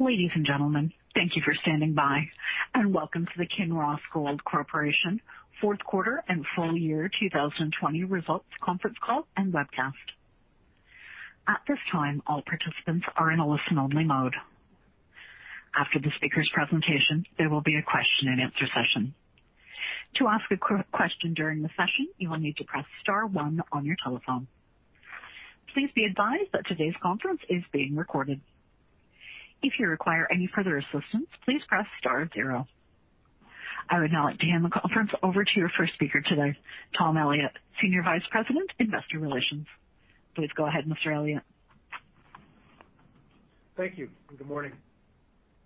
Ladies and gentlemen, thank you for standing by and welcome to the Kinross Gold Corporation fourth quarter and full year 2020 results conference call and webcast. At this time, all participants are in a listen-only mode. After the speaker's presentation, there will be a question-and-answer session. To ask a quick question during the session, you will need to press star one on your telephone. Please be advised that today's conference is being recorded. If you require any further assistance, please press star zero. I would now like to hand the conference over to your first speaker today, Tom Elliott, Senior Vice President, Investor Relations. Please go ahead, Mr. Elliott. Thank you, and good morning.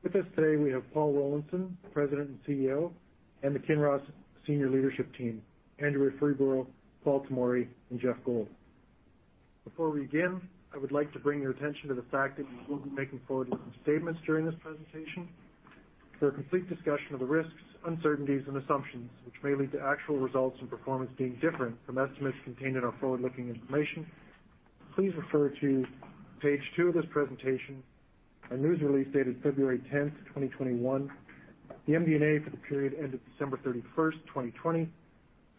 With us today, we have Paul Rollinson, President and CEO, and the Kinross senior leadership team, Andrea Freeborough, Paul Tomory, and Geoff Gold. Before we begin, I would like to bring your attention to the fact that we will be making forward-looking statements during this presentation. For a complete discussion of the risks, uncertainties, and assumptions which may lead to actual results and performance being different from estimates contained in our forward-looking information, please refer to page two of this presentation, our news release dated February 10, 2021, the MD&A for the period ended December 31st, 2020,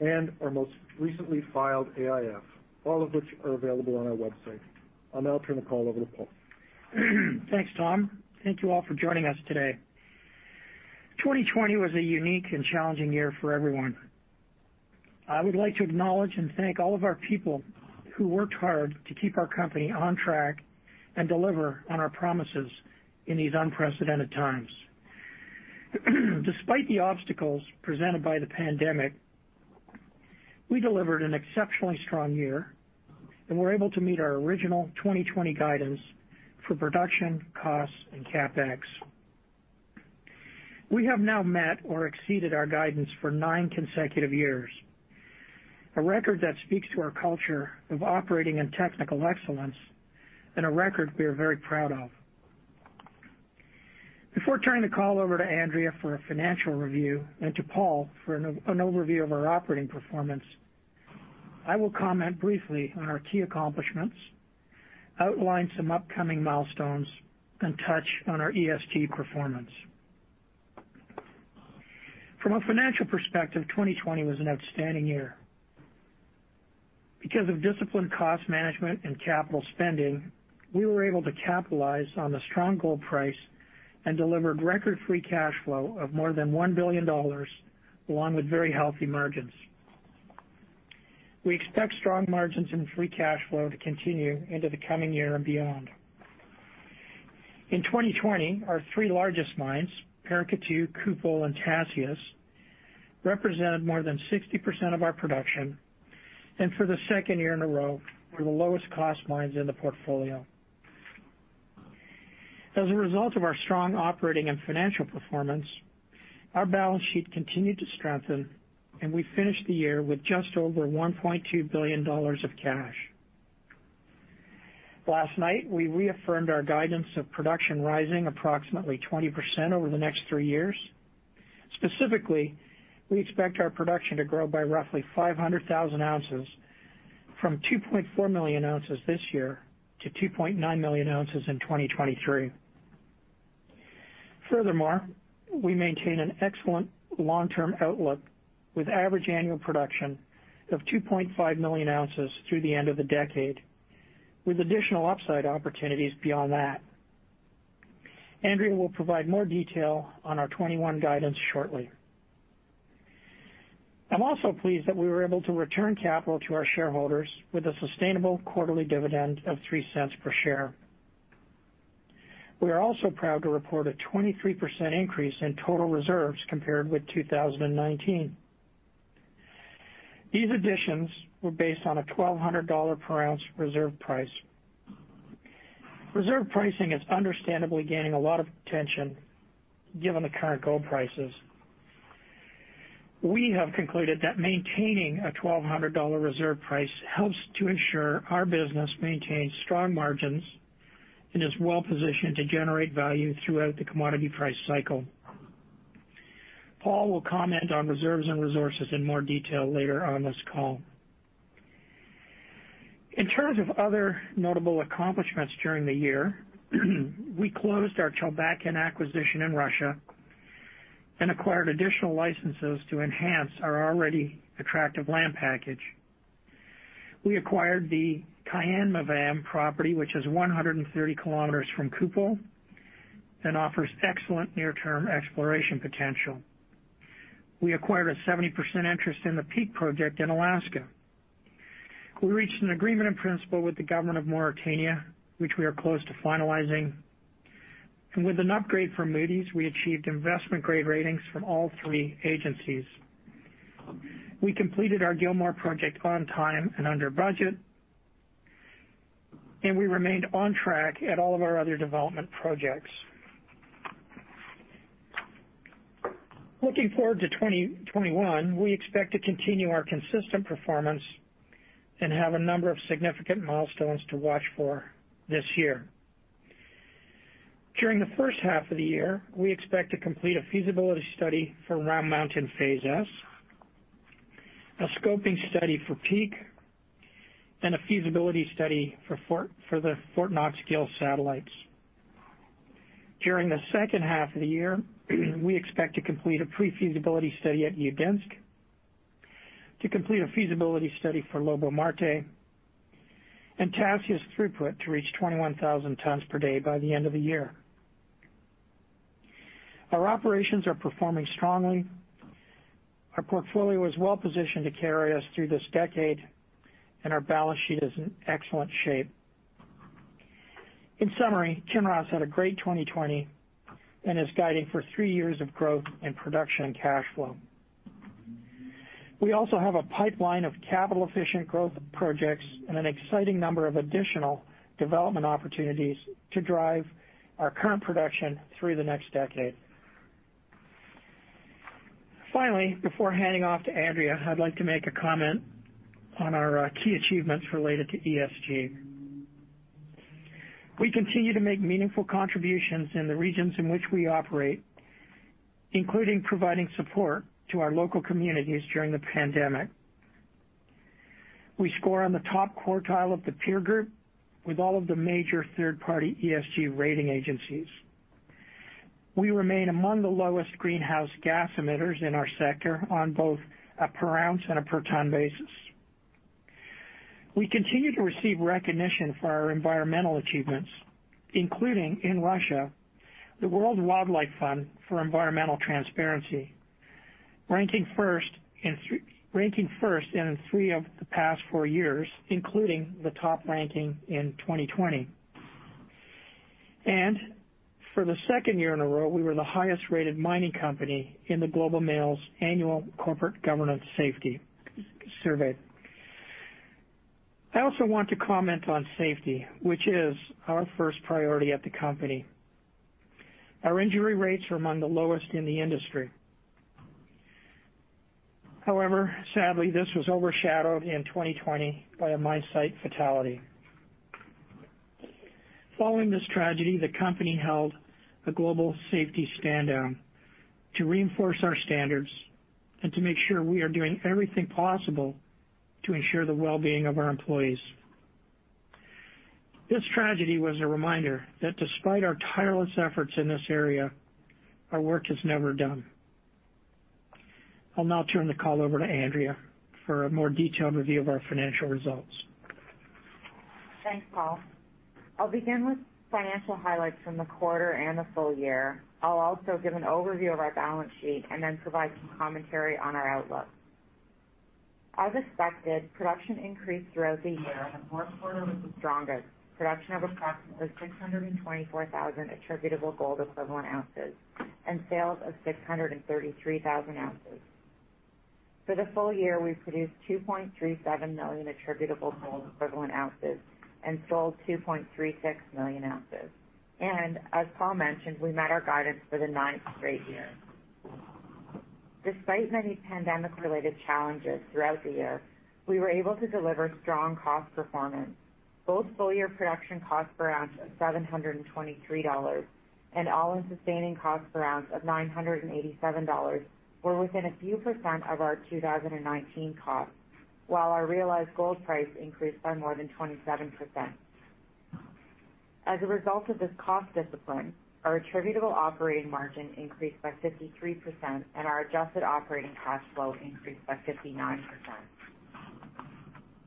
and our most recently filed AIF, all of which are available on our website. I'll now turn the call over to Paul. Thanks, Tom. Thank you all for joining us today. 2020 was a unique and challenging year for everyone. I would like to acknowledge and thank all of our people who worked hard to keep our company on track and deliver on our promises in these unprecedented times. Despite the obstacles presented by the pandemic, we delivered an exceptionally strong year and were able to meet our original 2020 guidance for production, costs, and CapEx. We have now met or exceeded our guidance for nine consecutive years, a record that speaks to our culture of operating and technical excellence and a record we are very proud of. Before turning the call over to Andrea for a financial review and to Paul for an overview of our operating performance, I will comment briefly on our key accomplishments, outline some upcoming milestones, and touch on our ESG performance. From a financial perspective, 2020 was an outstanding year. Because of disciplined cost management and capital spending, we were able to capitalize on the strong gold price and delivered record free cash flow of more than $1 billion along with very healthy margins. We expect strong margins and free cash flow to continue into the coming year and beyond. In 2020, our three largest mines, Paracatu, Kupol, and Tasiast, represented more than 60% of our production and for the second year in a row, were the lowest cost mines in the portfolio. As a result of our strong operating and financial performance, our balance sheet continued to strengthen, and we finished the year with just over $1.2 billion of cash. Last night, we reaffirmed our guidance of production rising approximately 20% over the next three years. Specifically, we expect our production to grow by roughly 500,000 ounces from 2.4 million ounces this year to 2.9 million ounces in 2023. Furthermore, we maintain an excellent long-term outlook with average annual production of 2.5 million ounces through the end of the decade, with additional upside opportunities beyond that. Andrea will provide more detail on our 2021 guidance shortly. I'm also pleased that we were able to return capital to our shareholders with a sustainable quarterly dividend of $0.03 per share. We are also proud to report a 23% increase in total reserves compared with 2019. These additions were based on a $1,200 per ounce reserve price. Reserve pricing is understandably gaining a lot of attention given the current gold prices. We have concluded that maintaining a $1,200 reserve price helps to ensure our business maintains strong margins and is well-positioned to generate value throughout the commodity price cycle. Paul will comment on reserves and resources in more detail later on this call. In terms of other notable accomplishments during the year, we closed our Chulbatkan acquisition in Russia and acquired additional licenses to enhance our already attractive land package. We acquired the Kayenmyvaam property, which is 130 km from Kupol, and offers excellent near-term exploration potential. We acquired a 70% interest in the Peak Project in Alaska. We reached an agreement in principle with the government of Mauritania, which we are close to finalizing. With an upgrade from Moody's, we achieved investment grade ratings from all three agencies. We completed our Gilmore project on time and under budget. We remained on track at all of our other development projects. Looking forward to 2021, we expect to continue our consistent performance. We have a number of significant milestones to watch for this year. During the first half of the year, we expect to complete a feasibility study for Round Mountain Phase S, a scoping study for Peak, and a feasibility study for the Fort Knox Gil satellites. During the second half of the year, we expect to complete a pre-feasibility study at Udinsk, to complete a feasibility study for Lobo-Marte. Tasiast throughput to reach 21,000 tons per day by the end of the year. Our operations are performing strongly. Our portfolio is well-positioned to carry us through this decade. Our balance sheet is in excellent shape. In summary, Kinross had a great 2020 and is guiding for three years of growth in production and cash flow. We also have a pipeline of capital-efficient growth projects and an exciting number of additional development opportunities to drive our current production through the next decade. Finally, before handing off to Andrea, I'd like to make a comment on our key achievements related to ESG. We continue to make meaningful contributions in the regions in which we operate, including providing support to our local communities during the pandemic. We score on the top quartile of the peer group with all of the major third-party ESG rating agencies. We remain among the lowest greenhouse gas emitters in our sector on both a per-ounce and a per-ton basis. We continue to receive recognition for our environmental achievements, including, in Russia, the World Wildlife Fund for Environmental Transparency, ranking first in three of the past four years, including the top ranking in 2020. For the second year in a row, we were the highest-rated mining company in The Globe and Mail's annual Corporate Governance Safety Survey. I also want to comment on safety, which is our first priority at the company. Our injury rates were among the lowest in the industry. However, sadly, this was overshadowed in 2020 by a mine site fatality. Following this tragedy, the company held a global safety standdown to reinforce our standards and to make sure we are doing everything possible to ensure the well-being of our employees. This tragedy was a reminder that despite our tireless efforts in this area, our work is never done. I'll now turn the call over to Andrea for a more detailed review of our financial results. Thanks, Paul. I'll begin with financial highlights from the quarter and the full year. I'll also give an overview of our balance sheet and then provide some commentary on our outlook. As expected, production increased throughout the year, and the fourth quarter was the strongest. Production of approximately 624,000 attributable gold equivalent ounces and sales of 633,000 ounces. For the full year, we produced 2.37 million attributable gold equivalent ounces and sold 2.36 million ounces. As Paul mentioned, we met our guidance for the ninth straight year. Despite many pandemic-related challenges throughout the year, we were able to deliver strong cost performance. Both full year production cost per ounce of $723 and all-in sustaining cost per ounce of $987 were within a few percent of our 2019 costs, while our realized gold price increased by more than 27%. As a result of this cost discipline, our attributable operating margin increased by 53%, and our adjusted operating cash flow increased by 59%.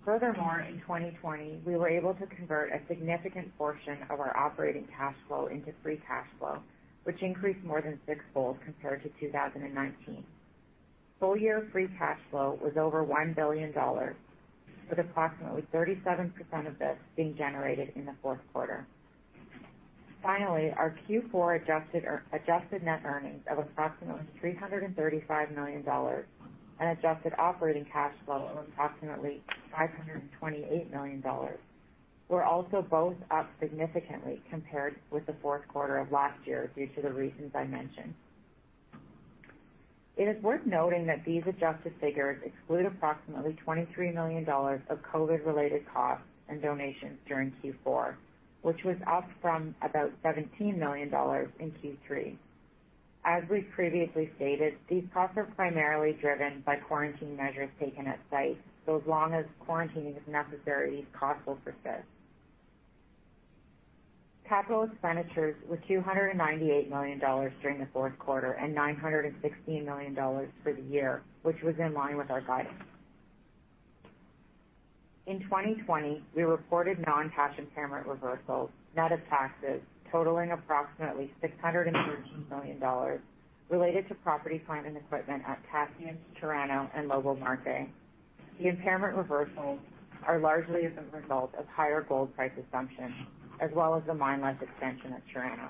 Furthermore, in 2020, we were able to convert a significant portion of our operating cash flow into free cash flow, which increased more than sixfold compared to 2019. Full-year free cash flow was over $1 billion, with approximately 37% of this being generated in the fourth quarter. Finally, our Q4 adjusted net earnings of approximately $335 million and adjusted operating cash flow of approximately $528 million were also both up significantly compared with the fourth quarter of last year due to the reasons I mentioned. It is worth noting that these adjusted figures exclude approximately $23 million of COVID-related costs and donations during Q4, which was up from about $17 million in Q3. As we've previously stated, these costs are primarily driven by quarantine measures taken at site. As long as quarantining is necessary, these costs will persist. Capital expenditures were $298 million during the fourth quarter and $916 million for the year, which was in line with our guidance. In 2020, we reported non-cash impairment reversals, net of taxes totaling approximately $613 million related to property, plant, and equipment at Tasiast, Chirano, and Lobo-Marte. The impairment reversals are largely as a result of higher gold price assumptions, as well as the mine life extension at Chirano.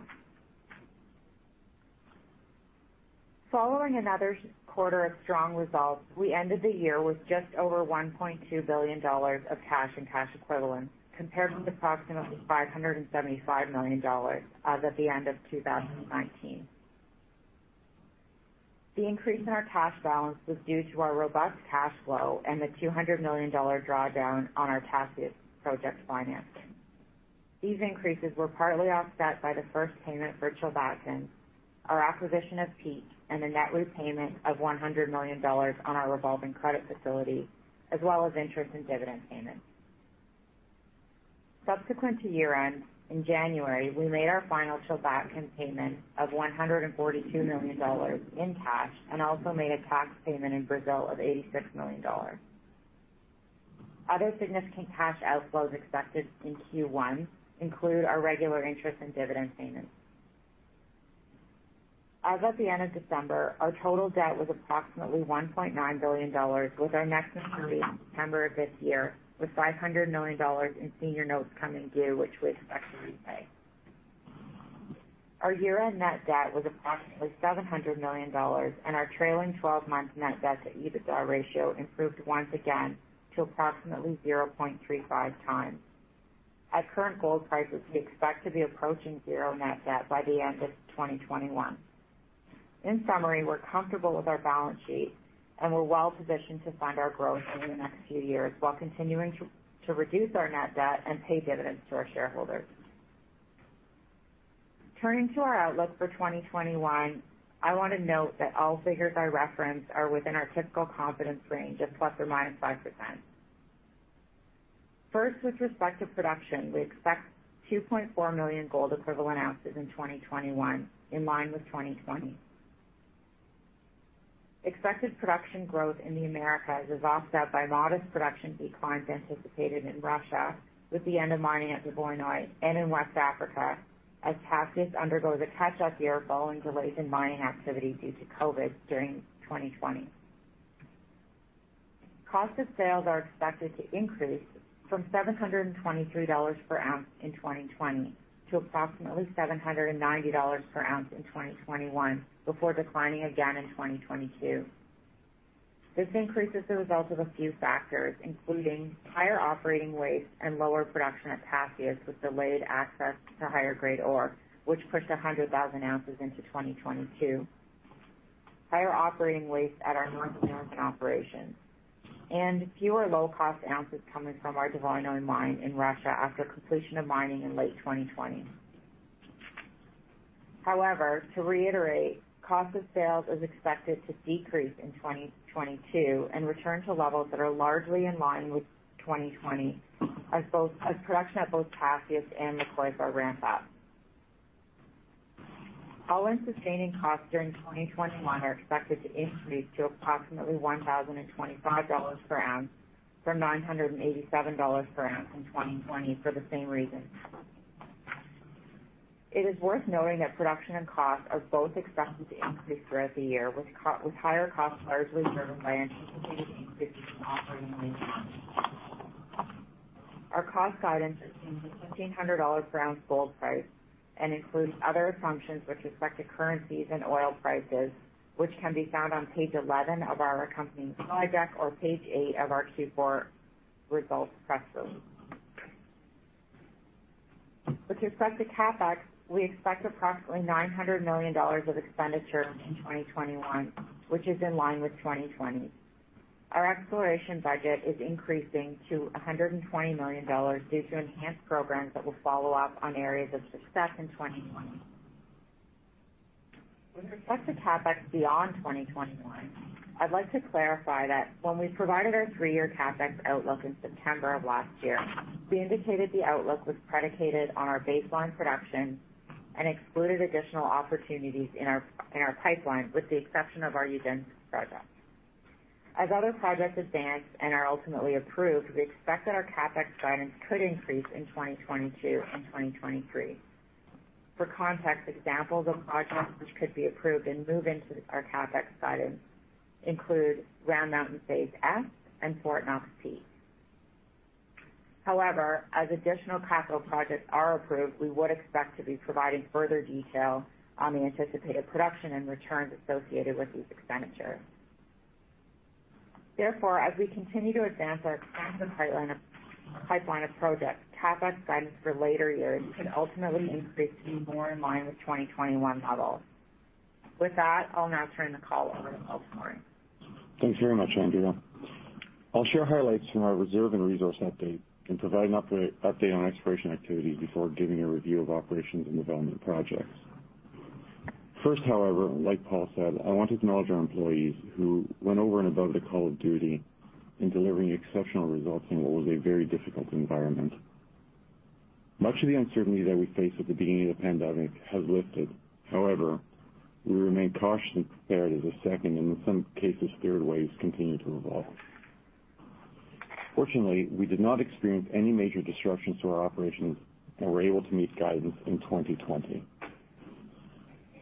Following another quarter of strong results, we ended the year with just over $1.2 billion of cash and cash equivalents as compared to approximately $575 million as at the end of 2019. The increase in our cash balance was due to our robust cash flow and the $200 million drawdown on our Tasiast project financing. These increases were partly offset by the first payment for Chulbatkan, our acquisition of Peak, and the net repayment of $100 million on our revolving credit facility, as well as interest and dividend payments. Subsequent to year-end, in January, we made our final Chulbatkan payment of $142 million in cash and also made a tax payment in Brazil of $86 million. Other significant cash outflows expected in Q1 include our regular interest and dividend payments. As of the end of December, our total debt was approximately $1.9 billion, with our next maturity in September of this year, with $500 million in senior notes coming due, which we expect to repay. Our year-end net debt was approximately $700 million. Our trailing 12-month net debt to EBITDA ratio improved once again to approximately 0.35x. At current gold prices, we expect to be approaching zero net debt by the end of 2021. In summary, we're comfortable with our balance sheet. We're well-positioned to fund our growth over the next few years while continuing to reduce our net debt and pay dividends to our shareholders. Turning to our outlook for 2021, I want to note that all figures I reference are within our typical confidence range of plus or minus 5%. First, with respect to production, we expect 2.4 million gold equivalent ounces in 2021, in line with 2020. Expected production growth in the Americas is offset by modest production declines anticipated in Russia with the end of mining at Dvoinoe and in West Africa, as Tasiast undergoes a catch-up year following delays in mining activity due to COVID during 2020. Cost of sales are expected to increase from $723 per ounce in 2020 to approximately $790 per ounce in 2021 before declining again in 2022. This increase is the result of a few factors, including higher operating waste and lower production at Tasiast with delayed access to higher grade ore, which pushed 100,000 ounces into 2022. Higher operating waste at our North American operations and fewer low-cost ounces coming from our Dvoinoe mine in Russia after completion of mining in late 2020. However, to reiterate, cost of sales is expected to decrease in 2022 and return to levels that are largely in line with 2020 as production at both Tasiast and Paracatu ramp up. All-in sustaining costs during 2021 are expected to increase to approximately $1,025 per ounce from $987 per ounce in 2020 for the same reason. It is worth noting that production and cost are both expected to increase throughout the year, with higher costs largely driven by anticipated increases in operating lease costs. Our cost guidance assumes a $1,500 per ounce gold price and includes other assumptions with respect to currencies and oil prices, which can be found on page 11 of our accompanying slide deck or page eight of our Q4 results press release. With respect to CapEx, we expect approximately $900 million of expenditure in 2021, which is in line with 2020. Our exploration budget is increasing to $120 million due to enhanced programs that will follow up on areas of success in 2020. With respect to CapEx beyond 2021, I'd like to clarify that when we provided our three-year CapEx outlook in September of last year, we indicated the outlook was predicated on our baseline production and excluded additional opportunities in our pipeline, with the exception of our Udinsk project. As other projects advance and are ultimately approved, we expect that our CapEx guidance could increase in 2022 and 2023. For context, examples of projects which could be approved and move into our CapEx guidance include Round Mountain Phase S and Fort Knox Gil. However, as additional capital projects are approved, we would expect to be providing further detail on the anticipated production and returns associated with these expenditures. Therefore, as we continue to advance our expansive pipeline of projects, CapEx guidance for later years could ultimately increase to be more in line with 2021 levels. With that, I'll now turn the call over to Paul Tomory. Thanks very much, Andrea. I'll share highlights from our reserve and resource update and provide an update on exploration activity before giving a review of operations and development projects. Like Paul said, I want to acknowledge our employees who went over and above the call of duty in delivering exceptional results in what was a very difficult environment. Much of the uncertainty that we faced at the beginning of the pandemic has lifted. However, we remain cautiously prepared as a second, and in some cases, third waves continue to evolve. Fortunately, we did not experience any major disruptions to our operations and were able to meet guidance in 2020.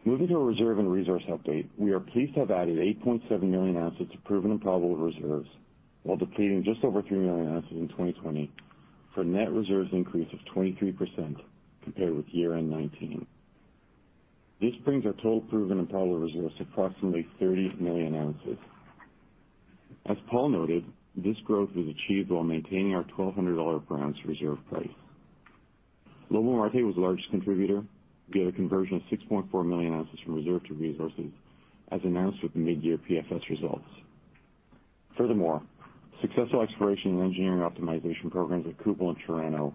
Moving to a reserve and resource update, we are pleased to have added 8.7 million ounces of proven and probable reserves while depleting just over 3 million ounces in 2020 for net reserves increase of 23% compared with year-end 2019. This brings our total proven and probable reserves to approximately 30 million ounces. As Paul noted, this growth was achieved while maintaining our $1,200 per ounce reserve price. Lobo-Marte was the largest contributor via a conversion of 6.4 million ounces from reserve to resources, as announced with the mid-year PFS results. Furthermore, successful exploration and engineering optimization programs at Kupol and Chirano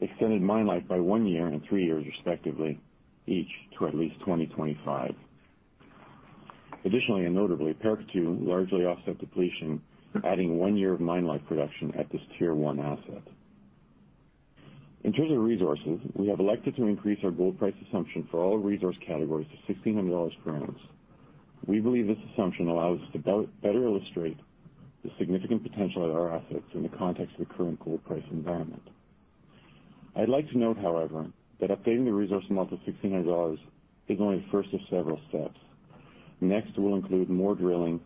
extended mine life by one year and three years respectively, each to at least 2025. Additionally and notably, Paracatu largely offset depletion, adding one year of mine life production at this Tier 1 asset. In terms of resources, we have elected to increase our gold price assumption for all resource categories to $1,600 per ounce. We believe this assumption allows us to better illustrate the significant potential of our assets in the context of the current gold price environment. I'd like to note, however, that updating the resource amount to $1,600 is only the first of several steps. Next, we'll include more drilling,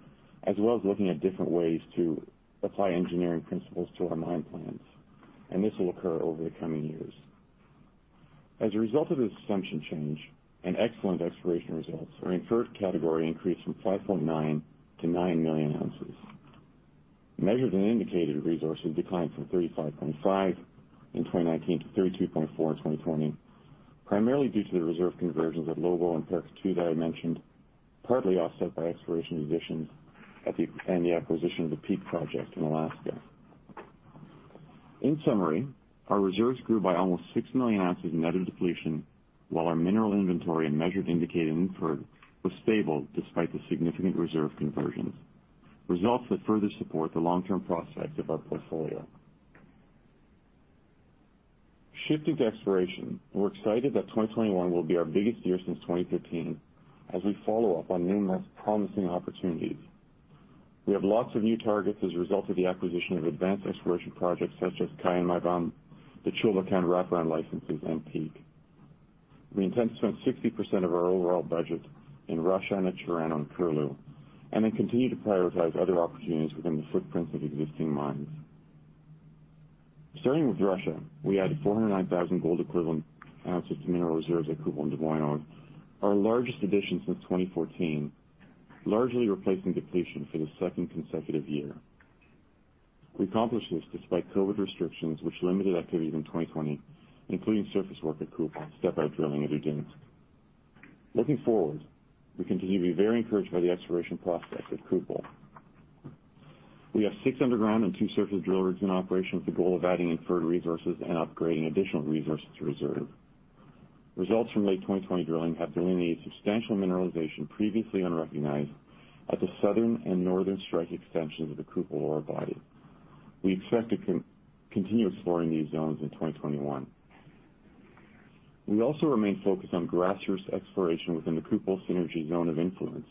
as well as looking at different ways to apply engineering principles to our mine plans, and this will occur over the coming years. As a result of this assumption change and excellent exploration results, our inferred category increased from 5.9 million-9 million ounces. Measured and indicated resources declined from 35.5 in 2019 to 32.4 in 2020, primarily due to the reserve conversions at Lobo and Paracatu that I mentioned, partly offset by exploration additions and the acquisition of the Peak project in Alaska. In summary, our reserves grew by almost 6 million ounces net of depletion, while our mineral inventory and measured indicated inferred was stable despite the significant reserve conversions, results that further support the long-term prospects of our portfolio. Shifting to exploration, we're excited that 2021 will be our biggest year since 2015 as we follow up on numerous promising opportunities. We have lots of new targets as a result of the acquisition of advanced exploration projects such as Kayenmyvaam, the Chulbatkan wrap-around licenses, and Peak. We intend to spend 60% of our overall budget in Russia and at Chirano and Kupol, and then continue to prioritize other opportunities within the footprints of existing mines. Starting with Russia, we added 409,000 gold equivalent ounces to mineral reserves at Kupol and Dvoinoe, our largest addition since 2014, largely replacing depletion for the second consecutive year. We accomplished this despite COVID restrictions, which limited activities in 2020, including surface work at Kupol and step-out drilling at Udinsk. Looking forward, we continue to be very encouraged by the exploration prospects at Kupol. We have six underground and two surface drill rigs in operation with the goal of adding inferred resources and upgrading additional resources to reserve. Results from late 2020 drilling have delineated substantial mineralization previously unrecognized at the southern and northern strike extensions of the Kupol ore body. We expect to continue exploring these zones in 2021. We also remain focused on grassroots exploration within the Kupol synergy zone of influence,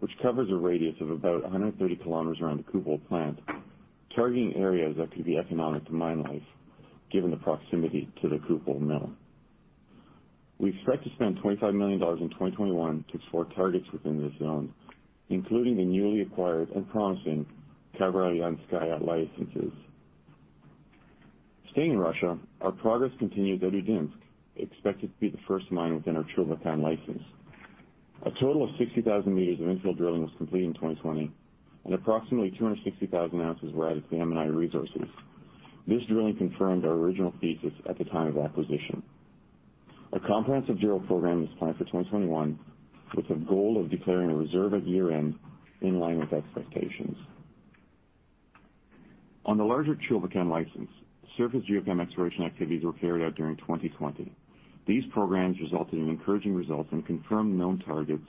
which covers a radius of about 130 km around the Kupol plant, targeting areas that could be economic to mine life given the proximity to the Kupol mill. We expect to spend $25 million in 2021 to explore targets within this zone, including the newly acquired and promising Kavradia and Skalat licenses. Staying in Russia, our progress continues at Udinsk, expected to be the first mine within our Chulbatkan license. A total of 60,000 m of infill drilling was completed in 2020, and approximately 260,000 ounces were added to M&I resources. This drilling confirmed our original thesis at the time of acquisition. A comprehensive drill program is planned for 2021, with the goal of declaring a reserve at year-end in line with expectations. On the larger Chulbatkan license, surface geochem exploration activities were carried out during 2020. These programs resulted in encouraging results and confirmed known targets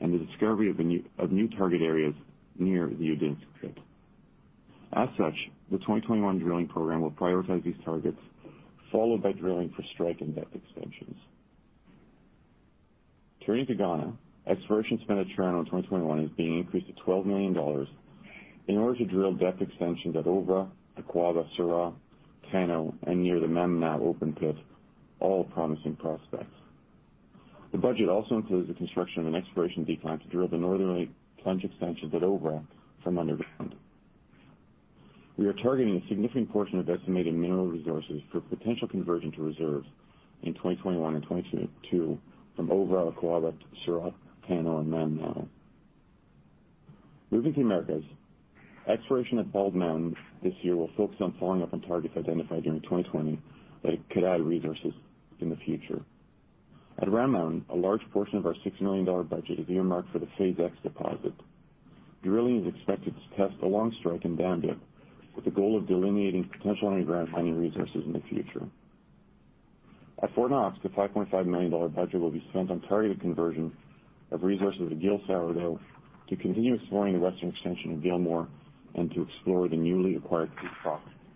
and the discovery of new target areas near the Udinsk pit. As such, the 2021 drilling program will prioritize these targets, followed by drilling for strike and depth extensions. Turning to Ghana, exploration spend at Chirano in 2021 is being increased to $12 million in order to drill depth extensions at Obra, Akwaaba, Serah, Tano, and near the Mamnao open pit, all promising prospects. The budget also includes the construction of an exploration decline to drill the northerly plunge extensions at Obra from underground. We are targeting a significant portion of estimated mineral resources for potential conversion to reserves in 2021 and 2022 from Obra, Akwaaba, Serah, Tano, and Mamnao. Moving to the Americas, exploration at Bald Mountain this year will focus on following up on targets identified during 2020 that could add resources in the future. At Round Mountain, a large portion of our $6 million budget is earmarked for the Phase X deposit. Drilling is expected to test along strike and down dip with the goal of delineating potential underground mining resources in the future. At Fort Knox, the $5.5 million budget will be spent on targeted conversion of resources at Gil-Sourdough to continue exploring the western extension of Gilmore and to explore the newly acquired Peak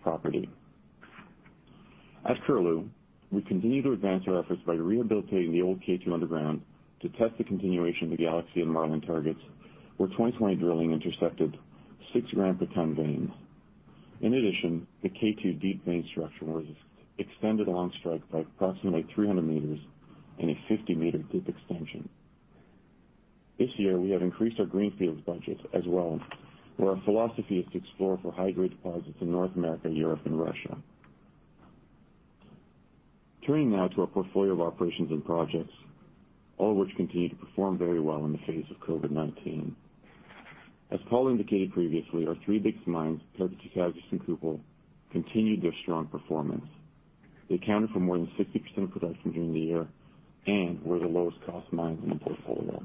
property. At Kupol, we continue to advance our efforts by rehabilitating the old K2 underground to test the continuation of the Galaxy and Marlin targets, where 2020 drilling intersected 6 g per ton veins. In addition, the K2 deep vein structure was extended along strike by approximately 300 m and a 50-m deep extension. This year, we have increased our greenfields budget as well, where our philosophy is to explore for high-grade deposits in North America, Europe, and Russia. Turning now to our portfolio of operations and projects, all of which continue to perform very well in the face of COVID-19. As Paul indicated previously, our three biggest mines, Pevek, [Kazakaz], and Kupol, continued their strong performance. They accounted for more than 60% of production during the year and were the lowest cost mines in the portfolio.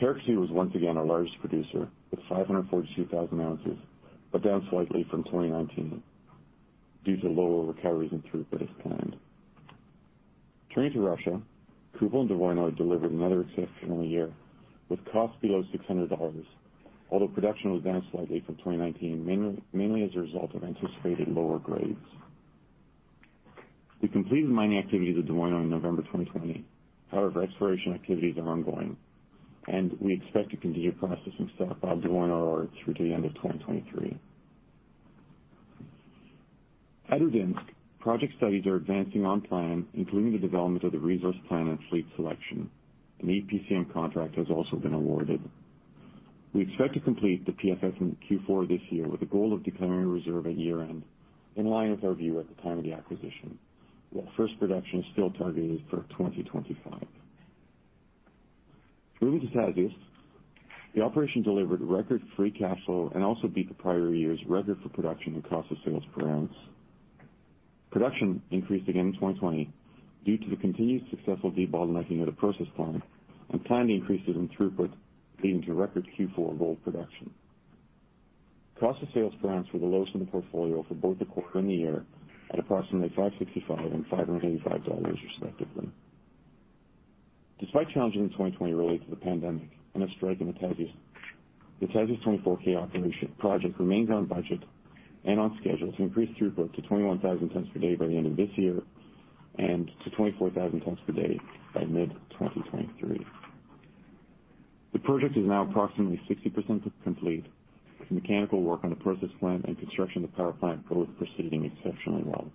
Terekte was once again our largest producer, with 542,000 ounces, but down slightly from 2019 due to lower recoveries and throughput as planned. Turning to Russia, Kupol and Dvoinoe delivered another exceptional year, with costs below $600, although production was down slightly from 2019, mainly as a result of anticipated lower grades. We completed mining activities at Dvoinoe in November 2020. Exploration activities are ongoing, and we expect to continue processing stockpile Dvoinoe ore through to the end of 2023. At Udinsk, project studies are advancing on plan, including the development of the resource plan and fleet selection. An EPCM contract has also been awarded. We expect to complete the PFS in Q4 this year with a goal of declaring a reserve at year-end, in line with our view at the time of the acquisition, with first production still targeted for 2025. Moving to Tasiast. The operation delivered record free cash flow and also beat the prior year's record for production and cost of sales per ounce. Production increased again in 2020 due to the continued successful debottlenecking of the process plant and planned increases in throughput, leading to record Q4 gold production. Cost of sales per ounce were the lowest in the portfolio for both the quarter and the year at approximately $565 and $585 respectively. Despite challenges in 2020 related to the pandemic and a strike in Tasiast, the Tasiast 24k project remains on budget and on schedule to increase throughput to 21,000 tons per day by the end of this year and to 24,000 tons per day by mid-2023. The project is now approximately 60% complete, with mechanical work on the process plant and construction of the power plant both proceeding exceptionally well.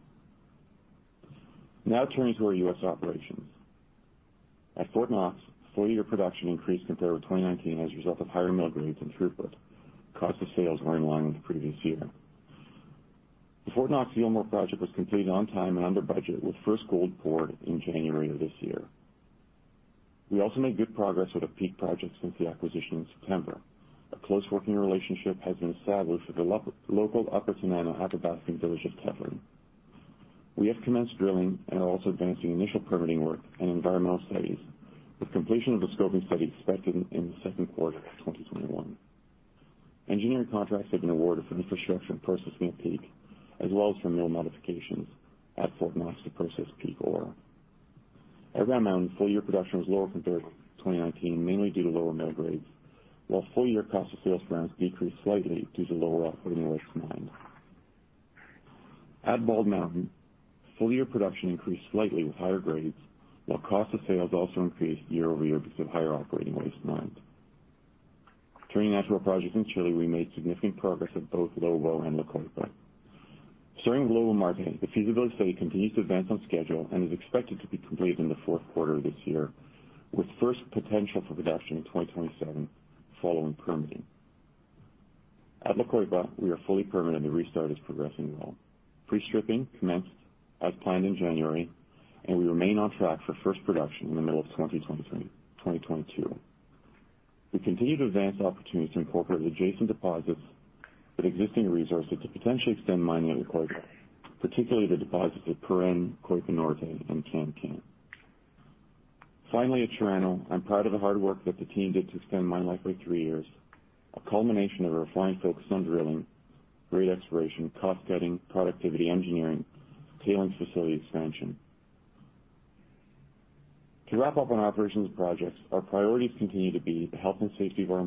Now turning to our U.S. operations. At Fort Knox, full-year production increased compared with 2019 as a result of higher mill grades and throughput. Cost of sales were in line with the previous year. The Fort Knox Gilmore project was completed on time and under budget, with first gold poured in January of this year. We also made good progress at our Peak project since the acquisition in September. A close working relationship has been established with the local Upper Tanana Athabascan Village of Tetlin. We have commenced drilling and are also advancing initial permitting work and environmental studies, with completion of the scoping study expected in the second quarter of 2021. Engineering contracts have been awarded for infrastructure and processing at Peak, as well as for mill modifications at Fort Knox to process Peak ore. At Round Mountain, full-year production was lower compared to 2019, mainly due to lower mill grades, while full-year cost of sales per ounce decreased slightly due to lower operating waste mined. At Bald Mountain, full-year production increased slightly with higher grades, while cost of sales also increased year-over-year because of higher operating waste mined. Turning now to our projects in Chile, we made significant progress at both Lobo and La Coipa. Starting with Lobo-Marte, the feasibility study continues to advance on schedule and is expected to be completed in the fourth quarter this year, with first potential for production in 2027 following permitting. At La Coipa, we are fully permitted and restart is progressing well. Pre-stripping commenced as planned in January, and we remain on track for first production in the middle of 2022. We continue to advance opportunities to incorporate adjacent deposits with existing resources to potentially extend mine life at La Coipa, particularly the deposits at Puren, Coipa Norte, and Can-Can. Finally, at Chirano, I'm proud of the hard work that the team did to extend mine life by three years, a culmination of a refined focus on drilling, great exploration, cost-cutting, productivity engineering, tailings facility expansion. To wrap up on operations and projects, our priorities continue to be the health and safety of our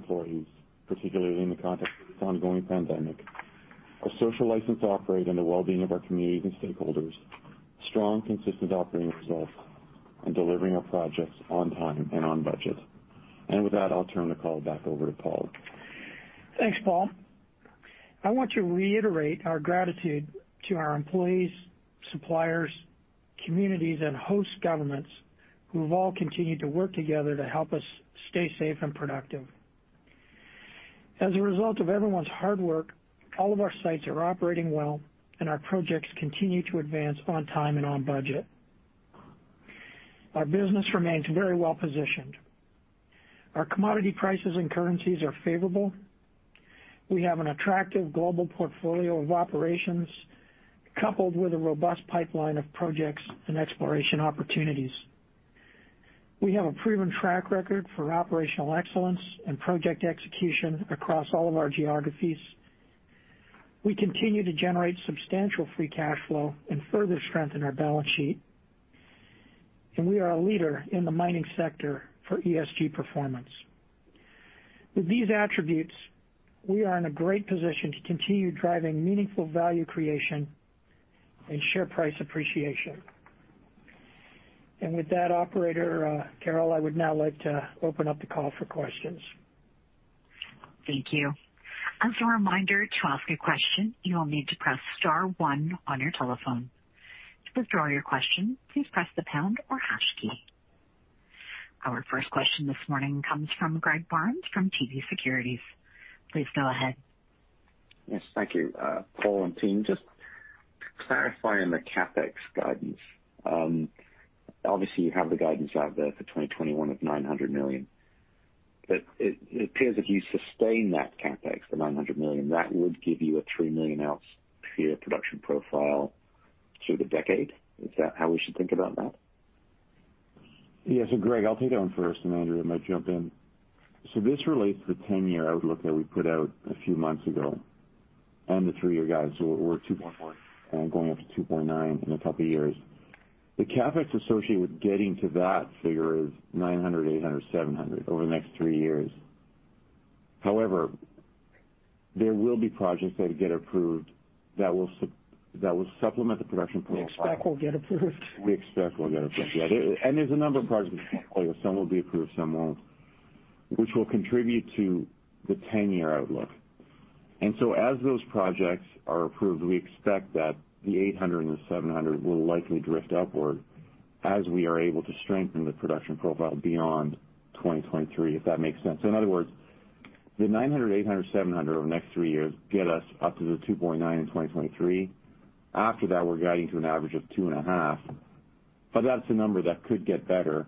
employees, particularly in the context of this ongoing pandemic, our social license to operate and the well-being of our communities and stakeholders, strong, consistent operating results, and delivering our projects on time and on budget. With that, I'll turn the call back over to Paul. Thanks, Paul. I want to reiterate our gratitude to our employees, suppliers, communities, and host governments who have all continued to work together to help us stay safe and productive. As a result of everyone's hard work, all of our sites are operating well, and our projects continue to advance on time and on budget. Our business remains very well-positioned. Our commodity prices and currencies are favorable. We have an attractive global portfolio of operations coupled with a robust pipeline of projects and exploration opportunities. We have a proven track record for operational excellence and project execution across all of our geographies. We continue to generate substantial free cash flow and further strengthen our balance sheet. We are a leader in the mining sector for ESG performance. With these attributes, we are in a great position to continue driving meaningful value creation and share price appreciation. With that, operator, Carol, I would now like to open up the call for questions. Thank you. As a reminder, to ask a question, you will need to press star one on your telephone. To withdraw your question, please press the pound or hash key. Our first question this morning comes from Greg Barnes from TD Securities. Please go ahead. Yes, thank you. Paul and team, just clarifying the CapEx guidance. You have the guidance out there for 2021 of $900 million. It appears if you sustain that CapEx, the $900 million, that would give you a 3 million ounce per year production profile through the decade. Is that how we should think about that? Greg, I'll take that one first, and Andrea might jump in. This relates to the 10-year outlook that we put out a few months ago, and the three-year guide, we're at 2.4 and going up to 2.9 in a couple of years. The CapEx associated with getting to that figure is $900 million, $800 million, $700 million over the next three years. However, there will be projects that get approved that will supplement the production profile. We expect will get approved. We expect will get approved. Yeah. There's a number of projects in the portfolio. Some will be approved, some won't, which will contribute to the 10-year outlook. As those projects are approved, we expect that the 800 and the 700 will likely drift upward as we are able to strengthen the production profile beyond 2023, if that makes sense. In other words, the 900, 800, 700 over the next three years get us up to the 2.9 in 2023. After that, we're guiding to an average of two and a half, but that's a number that could get better,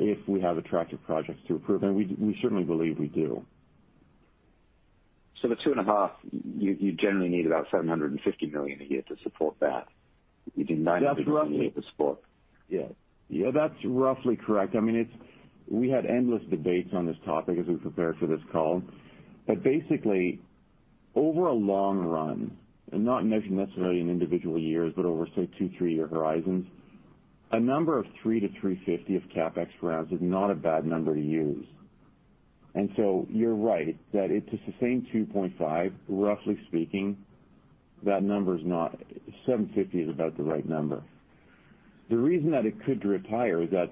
if we have attractive projects to approve, and we certainly believe we do. The 2.5, you generally need about $750 million a year to support that. You do 900. That's roughly. To support. Yeah. That's roughly correct. We had endless debates on this topic as we prepared for this call. Basically, over a long run, and not necessarily in individual years, but over, say, two, three-year horizons, a number of $300-$350 of CapEx rounds is not a bad number to use. You're right, that to sustain 2.5, roughly speaking, $750 is about the right number. The reason that it could drift higher is that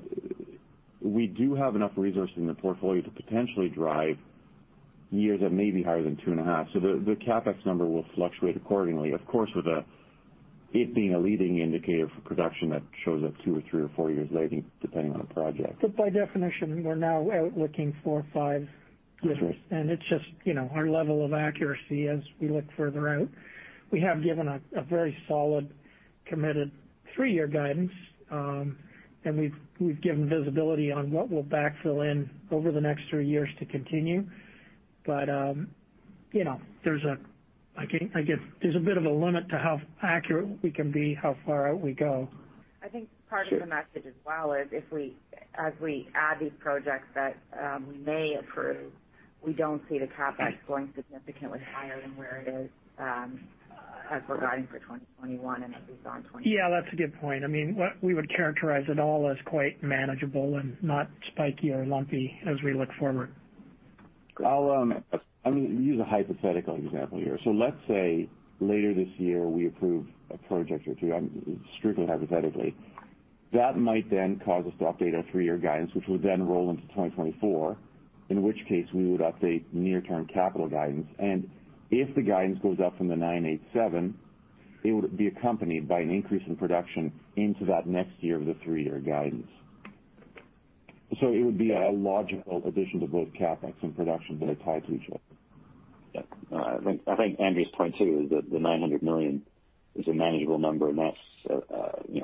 we do have enough resource in the portfolio to potentially drive years that may be higher than 2.5, so the CapEx number will fluctuate accordingly. Of course, with it being a leading indicator for production, that shows up two or three or four years later, depending on the project. By definition, we're now out looking four, five years. That's right. It's just our level of accuracy as we look further out. We have given a very solid, committed three-year guidance, and we've given visibility on what we'll backfill in over the next three years to continue. There's a bit of a limit to how accurate we can be, how far out we go. I think part of the message as well is, as we add these projects that we may approve, we don't see the CapEx going significantly higher than where it is, as we're guiding for 2021 and at least on 2022. Yeah, that's a good point. We would characterize it all as quite manageable and not spiky or lumpy as we look forward. I'll use a hypothetical example here. Let's say later this year we approve a project or two, strictly hypothetically. That might then cause us to update our three-year guidance, which would then roll into 2024, in which case we would update near-term capital guidance. If the guidance goes up from the nine, eight, seven, it would be accompanied by an increase in production into that next year of the three-year guidance. It would be a logical addition to both CapEx and production that are tied to each other. Yeah. I think Andrea's point, too, is that the $900 million is a manageable number. That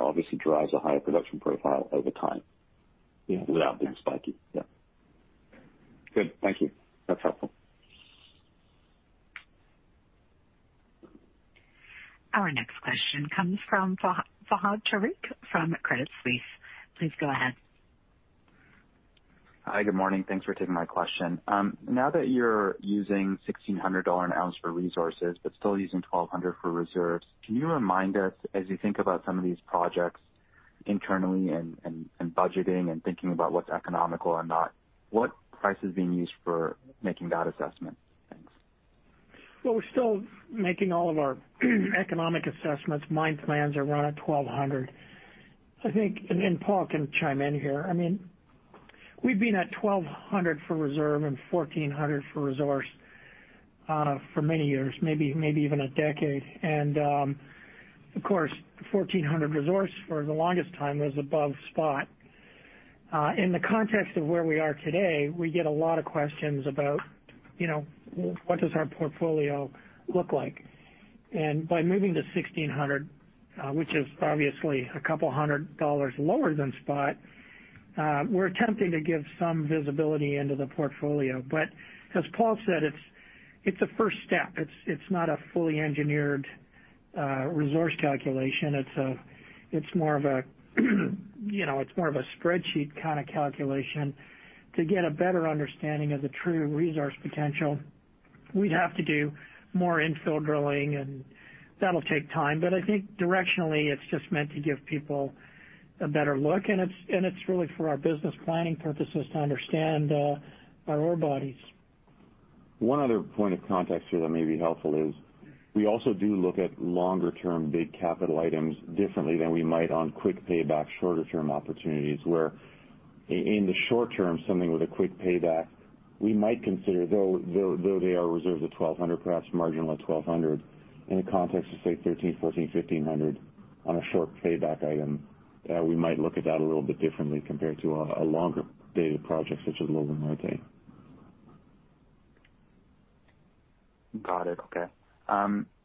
obviously drives a higher production profile over time. Yeah. Without being spiky. Yeah. Good. Thank you. That's helpful. Our next question comes from Fahad Tariq from Credit Suisse. Please go ahead. Hi, good morning. Thanks for taking my question. Now that you're using $1,600 an ounce for resources, but still using $1,200 for reserves, can you remind us, as you think about some of these projects internally and budgeting and thinking about what's economical or not, what price is being used for making that assessment? Thanks. Well, we're still making all of our economic assessments. Mine plans are run at $1,200. I think, Paul can chime in here. We've been at $1,200 for reserve and $1,400 for resource for many years, maybe even a decade. Of course, $1,400 resource for the longest time was above spot. In the context of where we are today, we get a lot of questions about what does our portfolio look like. By moving to $1,600, which is obviously a couple hundred dollars lower than spot, we're attempting to give some visibility into the portfolio. As Paul said, it's a first step. It's not a fully engineered resource calculation. It's more of a spreadsheet kind of calculation. To get a better understanding of the true resource potential, we'd have to do more infill drilling, and that'll take time. I think directionally, it's just meant to give people a better look, and it's really for our business planning purposes to understand our ore bodies. One other point of context here that may be helpful is we also do look at longer term big capital items differently than we might on quick payback, shorter term opportunities where, in the short term, something with a quick payback, we might consider, though they are reserved at $1,200, perhaps marginal at $1,200, in the context of, say, $1,300, $1,400, $1,500 on a short payback item, we might look at that a little bit differently compared to a longer dated project such as Lobo-Marte. Got it. Okay.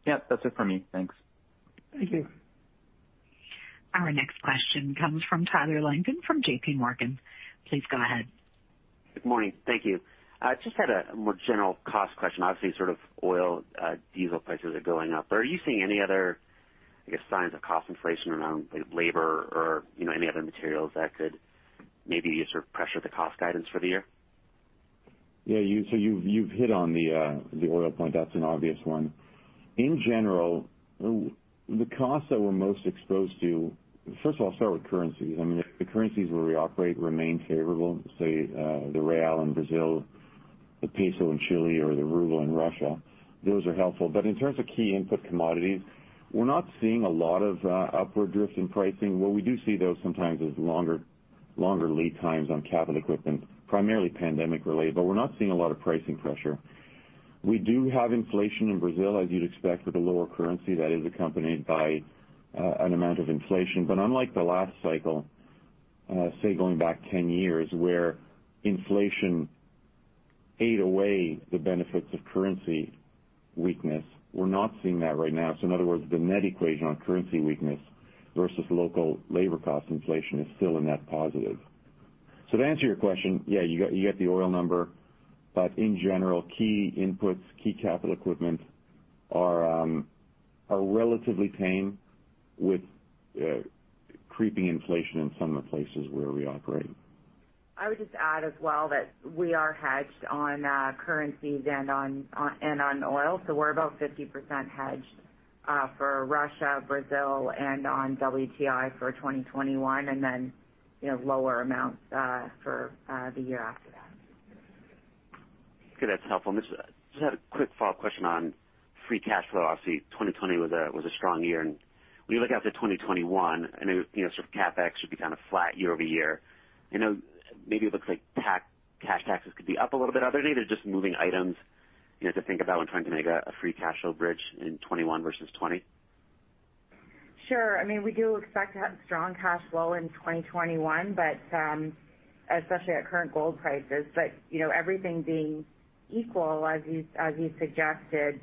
Yep, that's it for me. Thanks. Thank you. Our next question comes from Tyler Langton from JPMorgan. Please go ahead. Good morning. Thank you. Just had a more general cost question. Obviously, oil, diesel prices are going up. Are you seeing any other, I guess, signs of cost inflation around labor or any other materials that could maybe pressure the cost guidance for the year? Yeah. You've hit on the oil point. That's an obvious one. In general, the costs that we're most exposed to, first of all, I'll start with currencies. The currencies where we operate remain favorable, say, the real in Brazil, the peso in Chile or the ruble in Russia. Those are helpful. In terms of key input commodities, we're not seeing a lot of upward drifts in pricing. What we do see, though, sometimes is longer lead times on capital equipment, primarily pandemic-related. We're not seeing a lot of pricing pressure. We do have inflation in Brazil, as you'd expect with a lower currency that is accompanied by an amount of inflation. Unlike the last cycle, say, going back 10 years, where inflation ate away the benefits of currency weakness, we're not seeing that right now. In other words, the net equation on currency weakness versus local labor cost inflation is still a net positive. To answer your question, yeah, you get the oil number, but in general, key inputs, key capital equipment are relatively tame with creeping inflation in some of the places where we operate. I would just add as well that we are hedged on currencies and on oil. We're about 50% hedged for Russia, Brazil, and on WTI for 2021, and then lower amounts for the year after that. Okay, that's helpful. Just had a quick follow-up question on free cash flow. Obviously, 2020 was a strong year. When you look out to 2021, and CapEx should be kind of flat year-over-year. Maybe it looks like cash taxes could be up a little bit. Are there any other just moving items to think about when trying to make a free cash flow bridge in 2021 versus 2020? Sure. We do expect to have strong cash flow in 2021, especially at current gold prices. Everything being equal, as you suggested,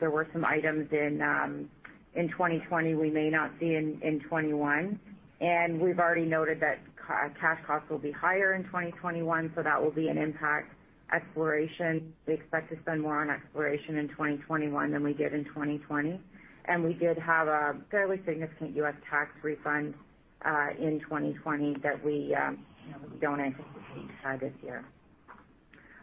there were some items in 2020 we may not see in 2021. We've already noted that cash costs will be higher in 2021, so that will be an impact. Exploration, we expect to spend more on exploration in 2021 than we did in 2020. We did have a fairly significant U.S. tax refund in 2020 that we don't anticipate this year.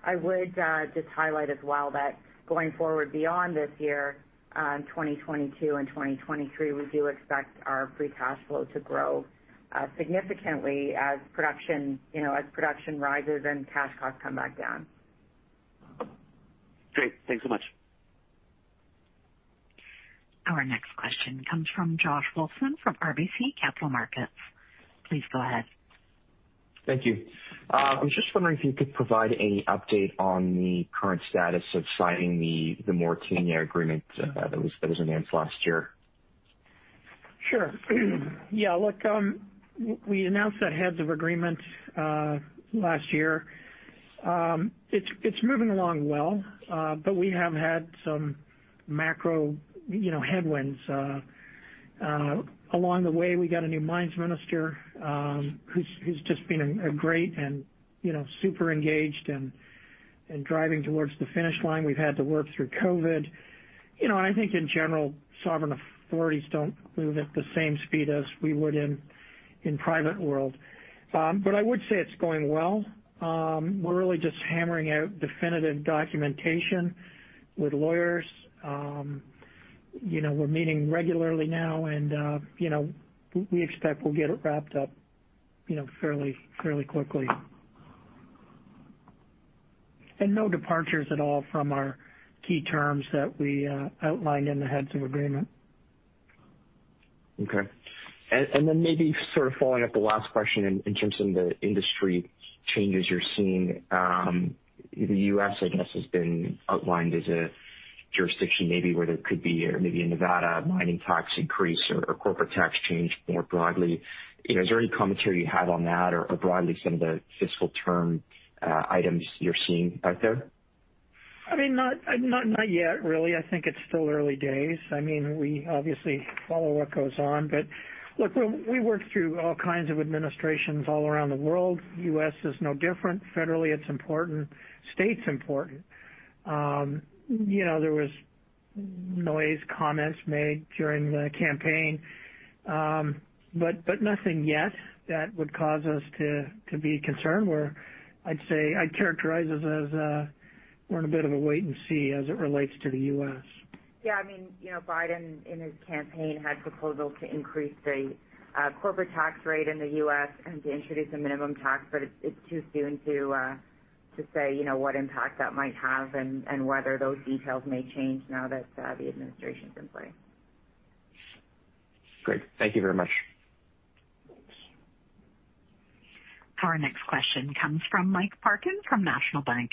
I would just highlight as well that going forward beyond this year, 2022 and 2023, we do expect our free cash flow to grow significantly as production rises and cash costs come back down. Great. Thanks so much. Our next question comes from Josh Wilson from RBC Capital Markets. Please go ahead. Thank you. I was just wondering if you could provide any update on the current status of signing the Mauritania agreement that was announced last year? Sure. Yeah, look, we announced that heads of agreement last year. It's moving along well, but we have had some macro headwinds. Along the way, we got a new mines minister, who's just been great and super engaged and driving towards the finish line. We've had to work through COVID. I think in general, sovereign authorities don't move at the same speed as we would in private world. I would say it's going well. We're really just hammering out definitive documentation with lawyers. We're meeting regularly now, and we expect we'll get it wrapped up fairly quickly. No departures at all from our key terms that we outlined in the heads of agreement. Okay. Then maybe sort of following up the last question in terms of the industry changes you're seeing. The U.S., I guess, has been outlined as a jurisdiction maybe where there could be, maybe in Nevada, a mining tax increase or corporate tax change more broadly. Is there any commentary you have on that or broadly some of the fiscal term items you're seeing out there? Not yet, really. I think it's still early days. We obviously follow what goes on, but look, we work through all kinds of administrations all around the world. U.S. is no different. Federally, it's important. States important. There was noise, comments made during the campaign. Nothing yet that would cause us to be concerned, where I'd say, I'd characterize us as we're in a bit of a wait and see as it relates to the U.S. Biden, in his campaign, had proposals to increase the corporate tax rate in the U.S. and to introduce a minimum tax, but it's too soon to say what impact that might have and whether those details may change now that the administration's in place. Great. Thank you very much. Our next question comes from Mike Parkin from National Bank.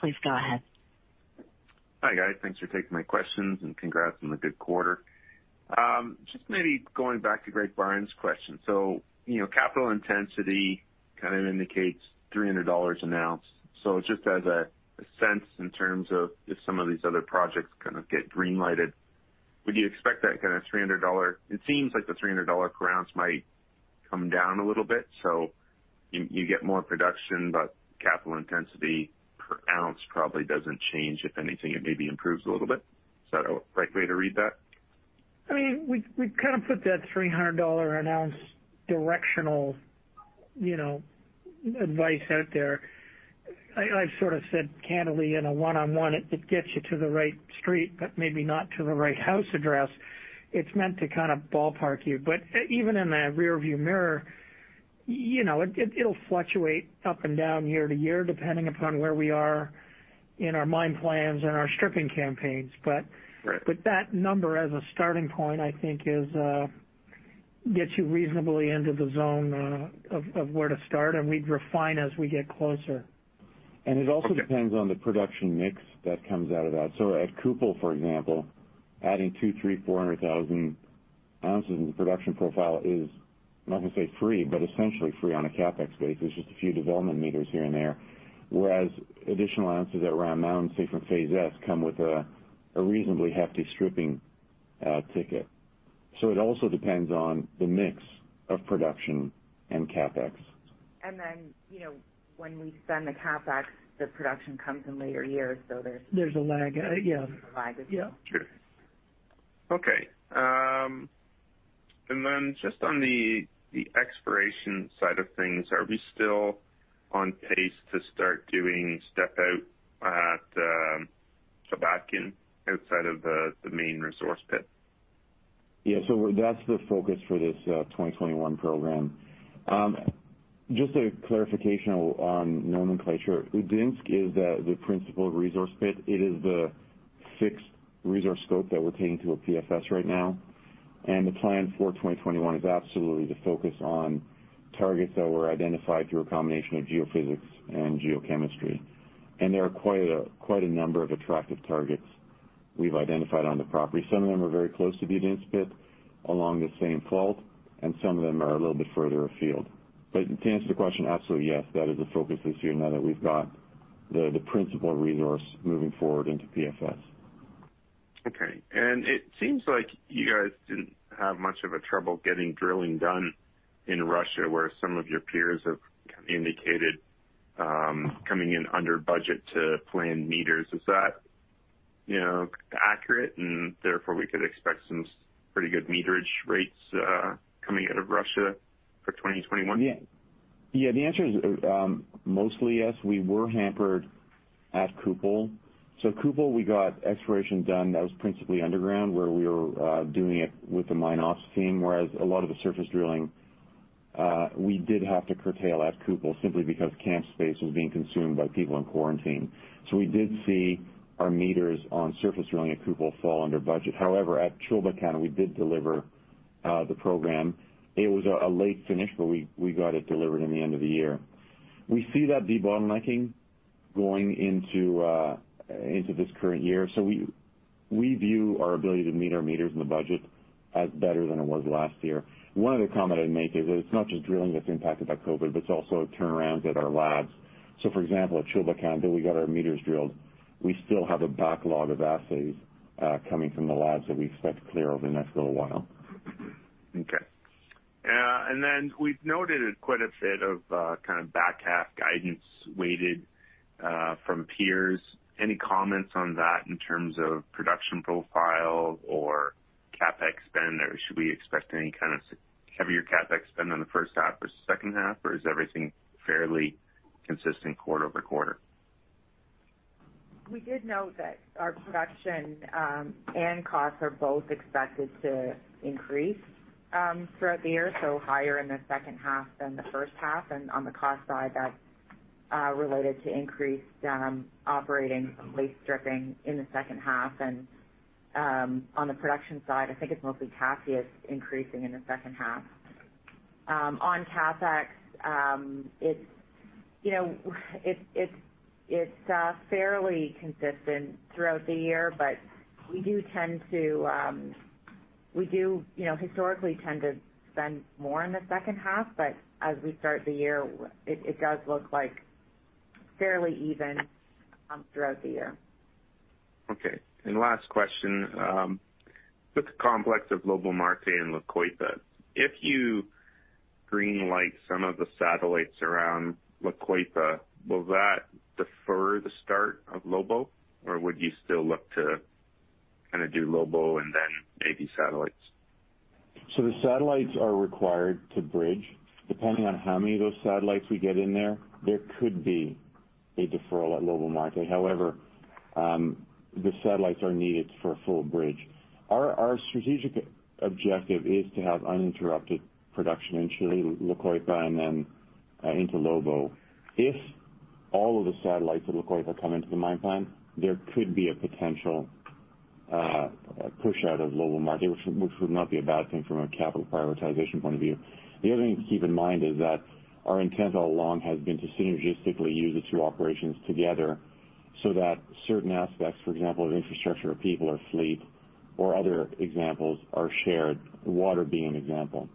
Please go ahead. Hi, guys. Thanks for taking my questions, and congrats on the good quarter. Just maybe going back to Greg Barnes' question. Capital intensity kind of indicates $300 an ounce. Just as a sense in terms of if some of these other projects get green-lighted, would you expect that kind of $300? It seems like the $300 per ounce might come down a little bit. You get more production, but capital intensity per ounce probably doesn't change. If anything, it maybe improves a little bit. Is that a right way to read that? We put that $300 an ounce directional advice out there. I've said candidly in a one-on-one, it gets you to the right street, but maybe not to the right house address. It's meant to ballpark you. Even in that rearview mirror, it'll fluctuate up and down year to year, depending upon where we are in our mine plans and our stripping campaigns. Right. That number as a starting point, I think gets you reasonably into the zone of where to start, and we'd refine as we get closer. It also depends on the production mix that comes out of that. At Kupol, for example, adding 200,000, 300,000, 400,000 ounces in the production profile is, I'm not going to say free, but essentially free on a CapEx base. There's just a few development meters here and there. Whereas additional ounces at Round Mountain, say from Phase S, come with a reasonably hefty stripping ticket. It also depends on the mix of production and CapEx. When we spend the CapEx, the production comes in later years. There's a lag. Yeah. A lag as well. Yeah. True. Okay. Just on the exploration side of things, are we still on pace to start doing step out at Chulbatkan outside of the main resource pit? Yeah. That's the focus for this 2021 program. Just a clarification on nomenclature. Udinsk is the principal resource pit. It is the fixed resource scope that we're taking to a PFS right now. The plan for 2021 is absolutely to focus on targets that were identified through a combination of geophysics and geochemistry. There are quite a number of attractive targets we've identified on the property. Some of them are very close to the Udinsk pit along the same fault, and some of them are a little bit further afield. To answer the question, absolutely, yes. That is the focus this year now that we've got the principal resource moving forward into PFS. Okay. It seems like you guys didn't have much of a trouble getting drilling done in Russia, where some of your peers have indicated coming in under budget to planned meters. Is that accurate and therefore we could expect some pretty good meterage rates coming out of Russia for 2021? Yeah. The answer is mostly yes. We were hampered at Kupol. Kupol, we got exploration done that was principally underground where we were doing it with the mine ops team, whereas a lot of the surface drilling, we did have to curtail at Kupol simply because camp space was being consumed by people in quarantine. We did see our meters on surface drilling at Kupol fall under budget. However, at Chulbatkan, we did deliver the program. It was a late finish, but we got it delivered in the end of the year. We see that debottlenecking going into this current year. We view our ability to meet our meters in the budget as better than it was last year. One other comment I'd make is that it's not just drilling that's impacted by COVID, but it's also turnarounds at our labs. For example, at Chulbatkan, though we got our meters drilled, we still have a backlog of assays coming from the labs that we expect to clear over the next little while. Okay. We've noted quite a bit of back half guidance weighted from peers. Any comments on that in terms of production profile or CapEx spend, or should we expect any kind of heavier CapEx spend on the first half versus second half, or is everything fairly consistent quarter-over-quarter? We did note that our production and costs are both expected to increase throughout the year, so higher in the second half than the first half. On the cost side, that's related to increased operating waste stripping in the second half. On the production side, I think it's mostly Tasiast increasing in the second half. On CapEx it's fairly consistent throughout the year, but we do historically tend to spend more in the second half, but as we start the year, it does look like fairly even throughout the year. Okay. Last question. With the complex of Lobo-Marte and La Coipa, if you green-light some of the satellites around La Coipa, will that defer the start of Lobo, or would you still look to do Lobo and then maybe satellites? The satellites are required to bridge. Depending on how many of those satellites we get in there could be a deferral at Lobo-Marte. The satellites are needed for a full bridge. Our strategic objective is to have uninterrupted production in Chile, La Coipa and then into Lobo. If all of the satellites at La Coipa come into the mine plan, there could be a potential push out of Lobo-Marte, which would not be a bad thing from a capital prioritization point of view. The other thing to keep in mind is that our intent all along has been to synergistically use the two operations together. That certain aspects, for example, of infrastructure, people or fleet or other examples are shared, water being an example.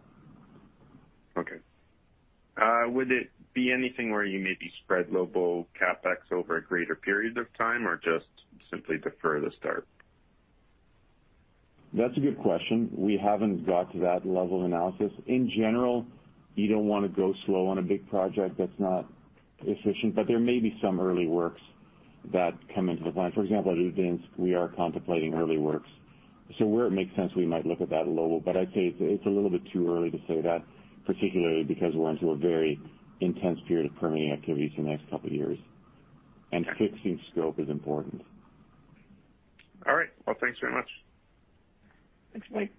Okay. Would it be anything where you maybe spread global CapEx over a greater period of time or just simply defer the start? That's a good question. We haven't got to that level of analysis. In general, you don't want to go slow on a big project that's not efficient, but there may be some early works that come into the plan. For example, at Udinsk, we are contemplating early works. Where it makes sense, we might look at that global, but I'd say it's a little bit too early to say that, particularly because we're into a very intense period of permitting activities the next couple of years. Fixing scope is important. All right. Well, thanks very much. Thanks, Mike.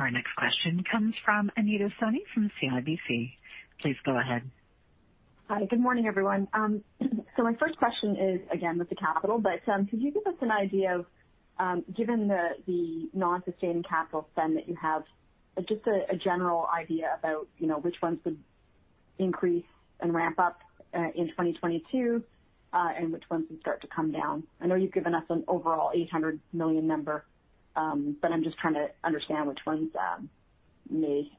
Our next question comes from Anita Soni from CIBC. Please go ahead. Hi, good morning, everyone. My first question is again with the CapEx, but could you give us an idea of, given the non-sustaining CapEx that you have, just a general idea about which ones would increase and ramp up in 2022, and which ones would start to come down? I know you've given us an overall $800 million, but I'm just trying to understand which ones may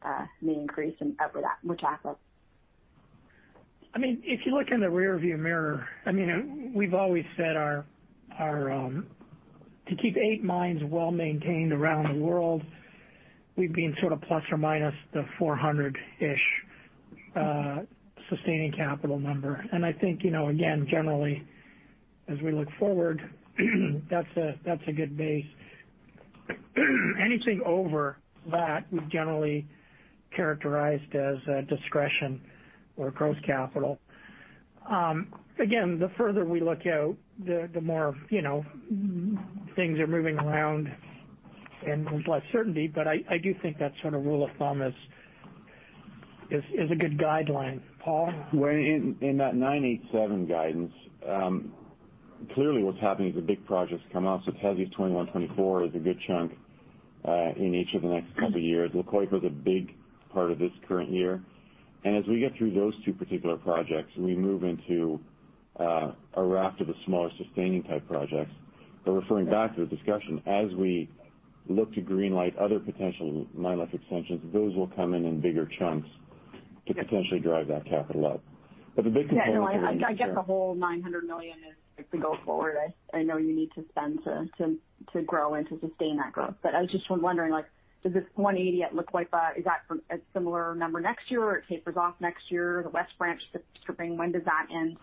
increase and which assets? If you look in the rearview mirror, we've always said to keep eight mines well-maintained around the world, we've been sort of plus or minus the $400-ish sustaining capital number. I think, again, generally, as we look forward that's a good base. Anything over that we've generally characterized as discretion or gross capital. Again, the further we look out, the more things are moving around and with less certainty. I do think that sort of rule of thumb is a good guideline. Paul? Well, in that 987 guidance, clearly what's happening is the big projects come off. Tasi 21-24 is a good chunk, in each of the next couple of years. La Coipa is a big part of this current year. As we get through those two particular projects, we move into a raft of the smaller sustaining type projects. Referring back to the discussion, as we look to green light other potential mine life extensions, those will come in in bigger chunks to potentially drive that capital up. Yeah, no, I get the whole $900 million is to go forward. I know you need to spend to grow and to sustain that growth. I was just wondering, does this $180 at La Coipa, is that a similar number next year or it tapers off next year? The West Branch stripping, when does that end?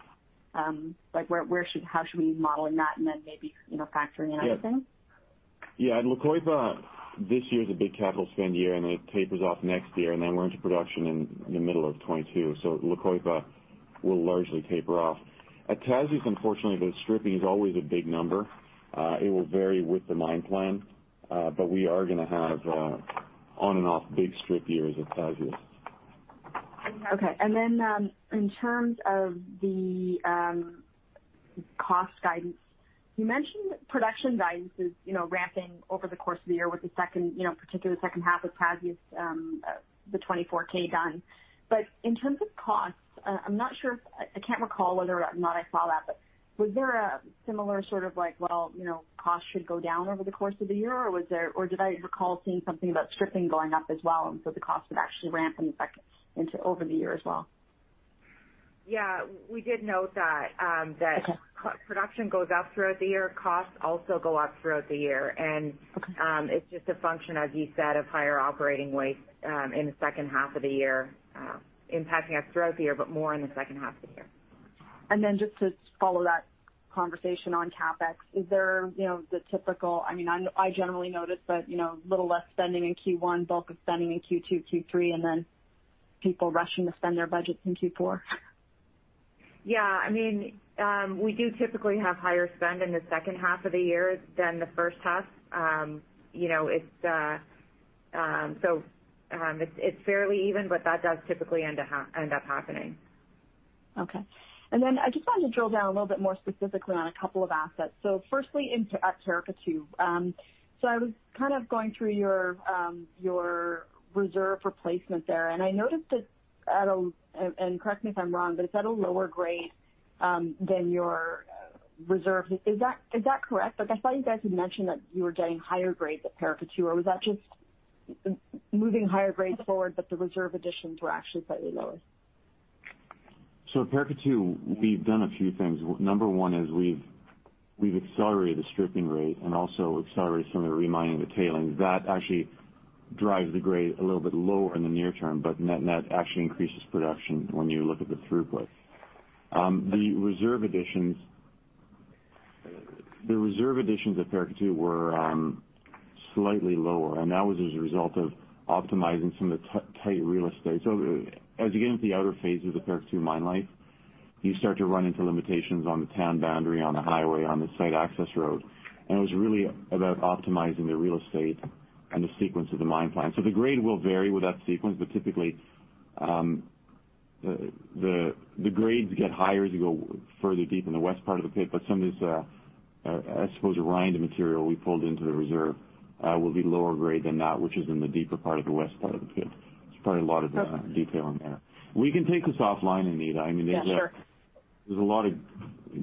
How should we be modeling that and then maybe factoring in other things? Yeah. At La Coipa, this year is a big capital spend year. It tapers off next year. We're into production in the middle of 2022. La Coipa will largely taper off. At Tasi, unfortunately, the stripping is always a big number. It will vary with the mine plan. We are going to have on and off big strip years at Tasi. Okay. In terms of the cost guidance, you mentioned production guidance is ramping over the course of the year with the second, particularly the second half of Tasi with the 24k done. But in terms of costs, I'm not sure if, I can't recall whether or not I saw that, but was there a similar sort of like, well, costs should go down over the course of the year, or did I recall seeing something about stripping going up as well, and so the costs would actually ramp into over the year as well? Yeah. We did note that. Okay. That production goes up throughout the year. Costs also go up throughout the year. Okay. It's just a function, as you said, of higher operating waste in the second half of the year, impacting us throughout the year, but more in the second half of the year. Just to follow that conversation on CapEx, is there the typical, I generally notice that a little less spending in Q1, bulk of spending in Q2, Q3, and then people rushing to spend their budgets in Q4. Yeah. We do typically have higher spend in the second half of the year than the first half. It's fairly even, but that does typically end up happening. Okay. I just wanted to drill down a little bit more specifically on a couple of assets. Firstly at Paracatu. I was kind of going through your reserve replacement there, and I noticed that, and correct me if I'm wrong, but it's at a lower grade than your reserve. Is that correct? I thought you guys had mentioned that you were getting higher grades at Paracatu, or was that just moving higher grades forward, but the reserve additions were actually slightly lower? At Paracatu, we've done a few things. Number one is we've accelerated the stripping rate and also accelerated some of the remining of the tailings. That actually drives the grade a little bit lower in the near term, but net actually increases production when you look at the throughput. The reserve additions at Paracatu were slightly lower, and that was as a result of optimizing some of the tight real estate. As you get into the outer phases of Paracatu mine life, you start to run into limitations on the town boundary, on the highway, on the site access road, and it was really about optimizing the real estate and the sequence of the mine plan. The grade will vary with that sequence, but typically, the grades get higher as you go further deep in the west part of the pit, but some of these I suppose the material we pulled into the reserve will be lower grade than that which is in the deeper part of the west part of the pit. There's probably a lot of detail in there. We can take this offline, Anita. Yeah, sure. There's a lot of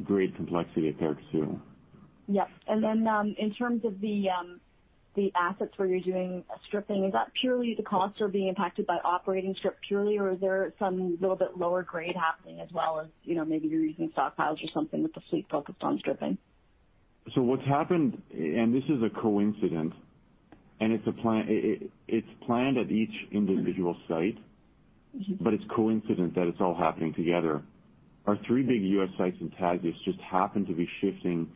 great complexity at Paracatu. Yep. Then in terms of the assets where you're doing stripping, is that purely the costs are being impacted by operating strip purely, or is there some little bit lower grade happening as well as maybe you're using stockpiles or something with the fleet focused on stripping? What's happened, and this is a coincidence, and it's planned at each individual site, but it's coincident that it's all happening together. Our three big U.S. sites in Tasiast just happen to be shifting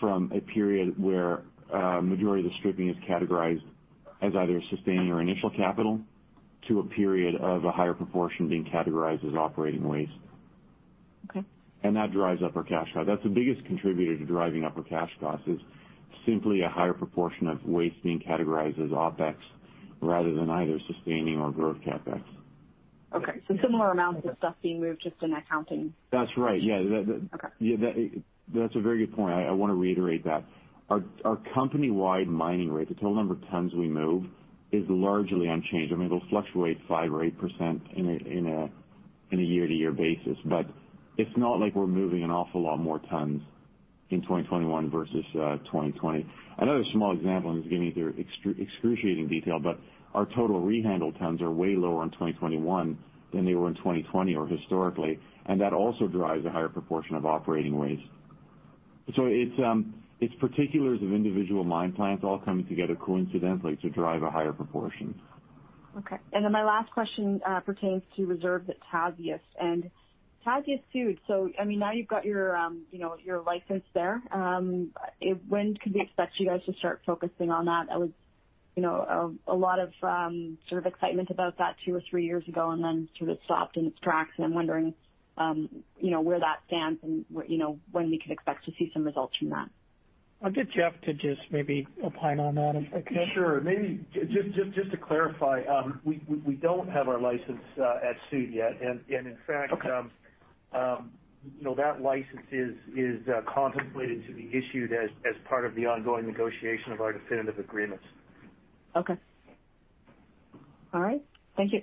from a period where a majority of the stripping is categorized as either sustaining or initial capital to a period of a higher proportion being categorized as operating waste. Okay. That drives up our cash cost. That's the biggest contributor to driving up our cash cost is simply a higher proportion of waste being categorized as OpEx rather than either sustaining or growth CapEx. Okay, similar amounts of stuff being moved, just in accounting. That's right. Yeah. Okay. That's a very good point. I want to reiterate that. Our company-wide mining rate, the total number of tons we move, is largely unchanged. It'll fluctuate 5% or 8% in a year-to-year basis. It's not like we're moving an awful lot more tons in 2021 versus 2020. Another small example, and this is getting into excruciating detail, but our total rehandle tons are way lower in 2021 than they were in 2020 or historically, and that also drives a higher proportion of operating waste. It's particulars of individual mine plans all coming together coincidentally to drive a higher proportion. Okay. My last question pertains to reserves at Tasiast and Tasiast Sud. Now you've got your license there. When could we expect you guys to start focusing on that? There was a lot of sort of excitement about that two or three years ago and then sort of stopped in its tracks, and I'm wondering where that stands and when we could expect to see some results from that. I'll get Geoff to just maybe opine on that if I could. Sure. Maybe just to clarify, we don't have our license at Sud yet. Okay That license is contemplated to be issued as part of the ongoing negotiation of our definitive agreements. Okay. All right. Thank you.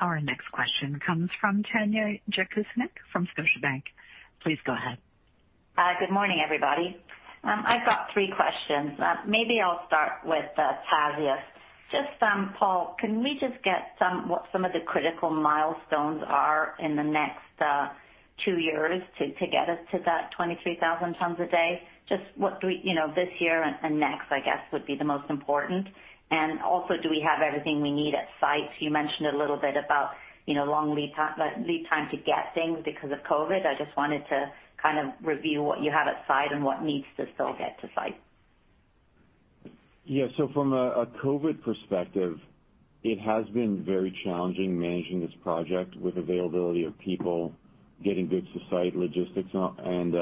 Our next question comes from Tanya Jakusconek from Scotiabank. Please go ahead. Good morning, everybody. I've got three questions. Maybe I'll start with Tanya. Paul, can we just get what some of the critical milestones are in the next two years to get us to that 23,000 tons a day? This year and next, I guess, would be the most important. Do we have everything we need at site? You mentioned a little bit about long lead time to get things because of COVID. I just wanted to kind of review what you have at site and what needs to still get to site. Yeah. From a COVID perspective, it has been very challenging managing this project with availability of people, getting goods to site, logistics, and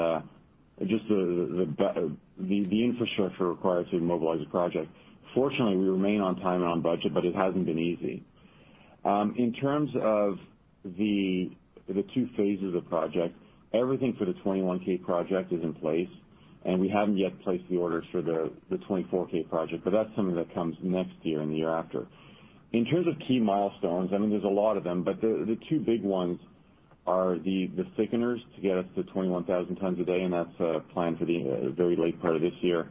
just the infrastructure required to mobilize the project. Fortunately, we remain on time and on budget, but it hasn't been easy. In terms of the two phases of project, everything for the 21K project is in place, and we haven't yet placed the orders for the 24k project, but that's something that comes next year and the year after. In terms of key milestones, there's a lot of them, but the two big ones are the thickeners to get us to 21,000 tons a day, and that's planned for the very late part of this year.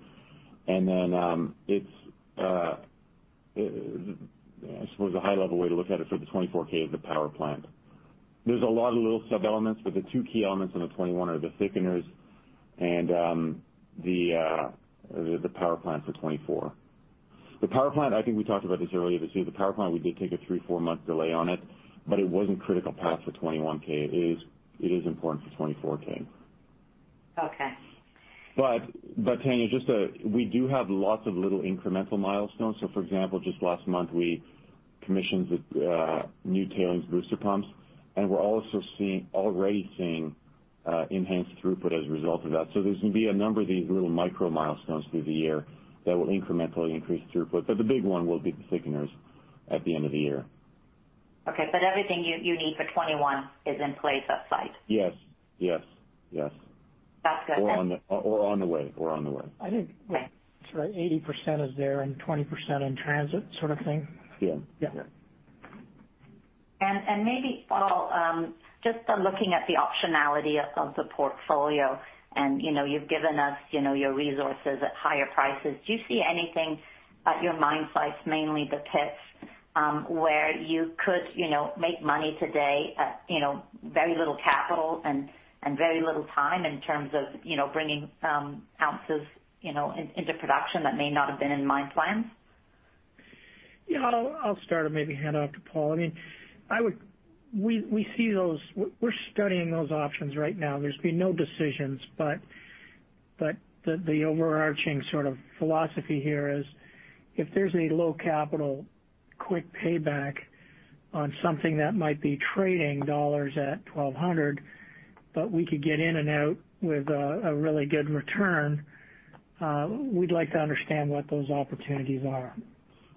I suppose, a high-level way to look at it for the 24k is the power plant. There's a lot of little sub-elements, but the two key elements on the 21 are the thickeners and the power plant for 24. The power plant, I think we talked about this earlier this year. The power plant, we did take a three, four-month delay on it, but it wasn't critical path for 21K. It is important for 24k. Okay. Tanya, we do have lots of little incremental milestones. For example, just last month, we commissioned the new tailings booster pumps, and we're also already seeing enhanced throughput as a result of that. There's going to be a number of these little micro milestones through the year that will incrementally increase throughput, but the big one will be the thickeners at the end of the year. Okay. everything you need for 2021 is in place at site? Yes. That's good, then. On the way. I think- Okay. 80% is there and 20% in transit sort of thing. Yeah. Yeah. Maybe, Paul, just looking at the optionality of the portfolio, and you've given us your resources at higher prices, do you see anything at your mine sites, mainly the pits, where you could make money today at very little capital and very little time in terms of bringing ounces into production that may not have been in mine plans? Yeah, I'll start and maybe hand off to Paul. We're studying those options right now. There's been no decisions, but the overarching sort of philosophy here is if there's a low capital, quick payback on something that might be trading dollars at $1,200, but we could get in and out with a really good return, we'd like to understand what those opportunities are.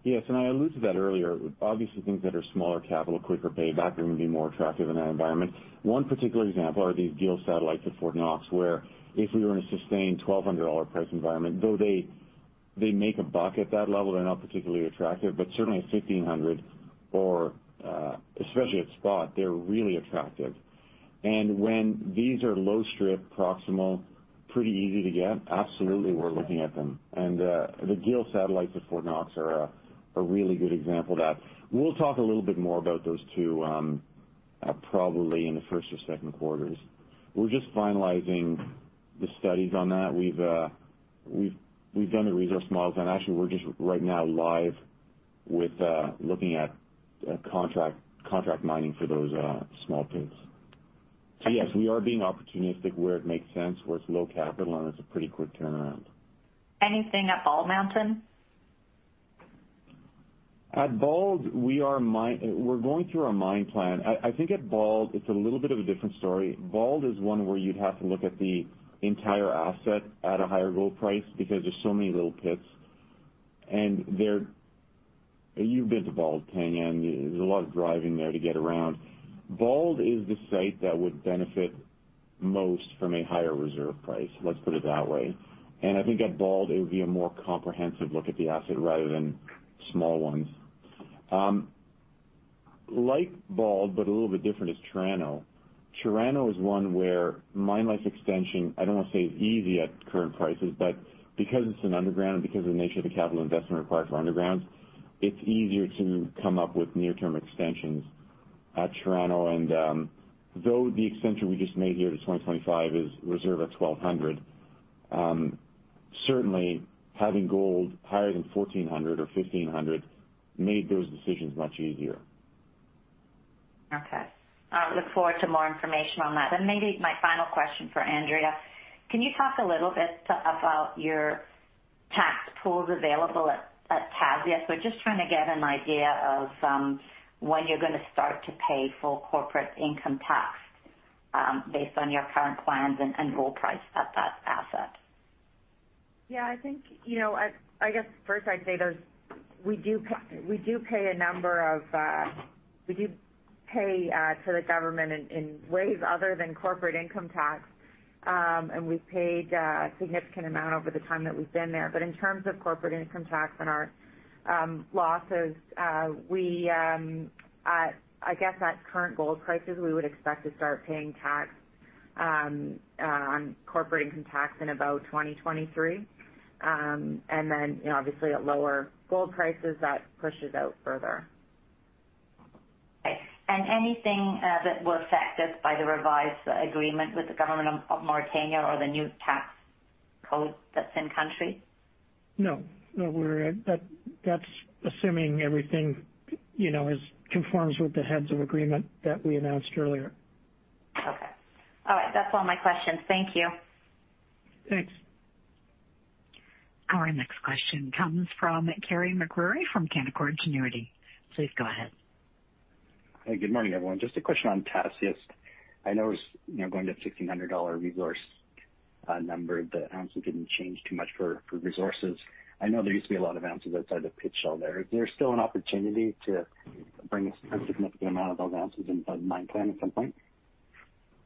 Yes, I alluded to that earlier. Obviously, things that are smaller capital, quicker payback are going to be more attractive in that environment. One particular example are these Gil satellites at Fort Knox, where if we were in a sustained $1,200 price environment, though they make a buck at that level, they're not particularly attractive, but certainly at $1,500 or especially at spot, they're really attractive. When these are low strip, proximal, pretty easy to get, absolutely we're looking at them. The Gil satellites at Fort Knox are a really good example of that. We'll talk a little bit more about those two, probably in the first or second quarters. We're just finalizing the studies on that. We've done the resource models and actually we're just right now live with looking at contract mining for those small pits. Yes, we are being opportunistic where it makes sense, where it's low capital and it's a pretty quick turnaround. Anything at Bald Mountain? At Bald, we're going through our mine plan. I think at Bald it's a little bit of a different story. Bald is one where you'd have to look at the entire asset at a higher gold price because there's so many little pits and you've been to Bald, Tanya, and there's a lot of driving there to get around. Bald is the site that would benefit most from a higher reserve price, let's put it that way. I think at Bald it would be a more comprehensive look at the asset rather than small ones. Like Bald, but a little bit different is Chirano. Chirano is one where mine life extension, I don't want to say is easy at current prices, but because it's an underground, because of the nature of the capital investment required for undergrounds, it's easier to come up with near-term extensions at Chirano. Though the extension we just made here to 2025 is reserved at $1,200, certainly having gold higher than $1,400 or $1,500 made those decisions much easier. Okay. I look forward to more information on that. Maybe my final question for Andrea, can you talk a little bit about your tax pools available at Tasiast? We're just trying to get an idea of when you're going to start to pay full corporate income tax, based on your current plans and gold price at that asset. I guess first I'd say we do pay to the government in ways other than corporate income tax. We've paid a significant amount over the time that we've been there. In terms of corporate income tax and our losses, I guess at current gold prices, we would expect to start paying corporate income tax in about 2023. Obviously at lower gold prices, that pushes out further. Okay. Anything that was affected by the revised agreement with the government of Mauritania or the new tax code that's in country? No. That's assuming everything conforms with the heads of agreement that we announced earlier. Okay. All right. That's all my questions. Thank you. Thanks. Our next question comes from Carey MacRury from Canaccord Genuity. Please go ahead. Hey, good morning, everyone. Just a question on Tasiast. I know it was going to $1,600 resource number, the ounces didn't change too much for resources. I know there used to be a lot of ounces outside the pit shell there. Is there still an opportunity to bring a significant amount of those ounces in mine plan at some point?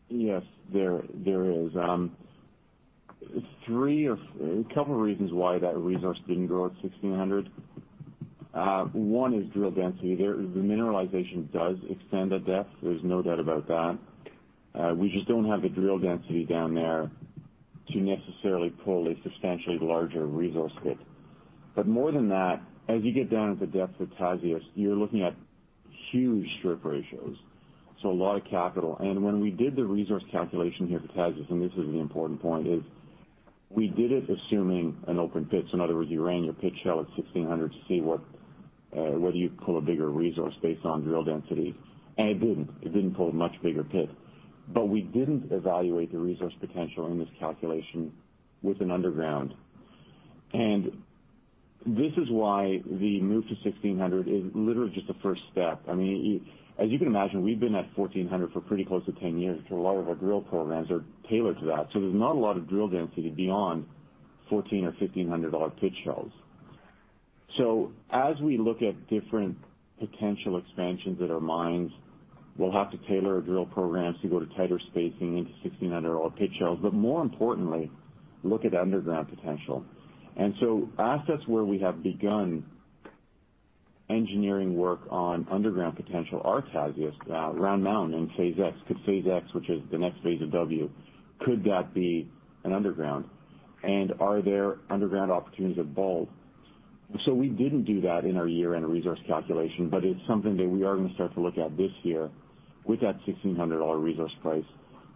Yes, there is. A couple reasons why that resource didn't grow at 1,600. One is drill density. The mineralization does extend at depth. There's no doubt about that. We just don't have the drill density down there to necessarily pull a substantially larger resource pit. More than that, as you get down at the depth of Tasiast, you're looking at huge strip ratios, so a lot of capital. When we did the resource calculation here for Tasiast, and this is the important point, is we did it assuming an open pit. In other words, you ran your pit shell at 1,600 to see whether you pull a bigger resource based on drill density. It didn't. It didn't pull a much bigger pit. We didn't evaluate the resource potential in this calculation with an underground. This is why the move to 1,600 is literally just the first step. As you can imagine, we've been at 1,400 for pretty close to 10 years, so a lot of our drill programs are tailored to that. There's not a lot of drill density beyond $1,400 or $1,500 pit shells. As we look at different potential expansions at our mines, we'll have to tailor our drill programs to go to tighter spacing into $1,600 pit shells, but more importantly, look at underground potential. Assets where we have begun engineering work on underground potential are Tasiast, Round Mountain in Phase X, because Phase X, which is the next phase of W, could that be an underground? Are there underground opportunities at Bald? We didn't do that in our year-end resource calculation, but it's something that we are going to start to look at this year with that $1,600 resource price.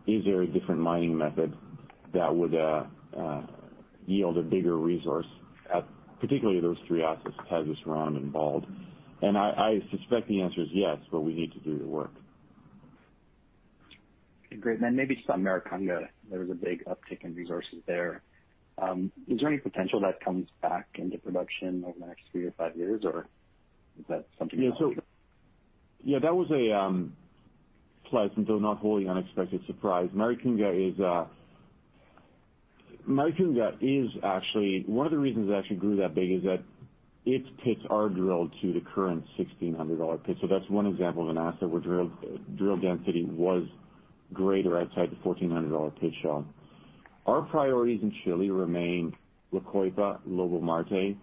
Is there a different mining method that would yield a bigger resource at particularly those three assets, Tasiast, Round, and Bald? I suspect the answer is yes, but we need to do the work. Okay, great. Then maybe just on Maricunga, there was a big uptick in resources there. Is there any potential that comes back into production over the next three or five years, or is that something else? Yeah, that was a pleasant, though not wholly unexpected surprise. Maricunga is actually, one of the reasons it actually grew that big is that it pits are drilled to the current $1,600 pit. That's one example of an asset where drill density was greater outside the $1,400 pit shell. Our priorities in Chile remain La Coipa, Lobo-Marte.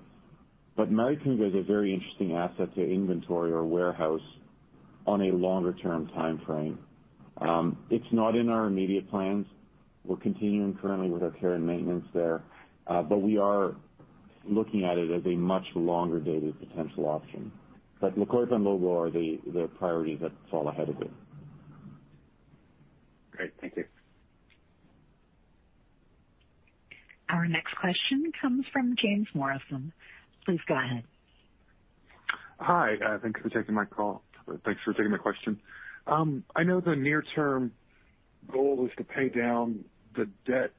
Maricunga is a very interesting asset to inventory or warehouse on a longer-term timeframe. It's not in our immediate plans. We're continuing currently with our care and maintenance there, but we are looking at it as a much longer-dated potential option. La Coipa and Lobo are the priorities that fall ahead of it. Great. Thank you. Our next question comes from [James Morrison]. Please go ahead. Hi, thanks for taking my call. Thanks for taking my question. I know the near-term goal is to pay down the debt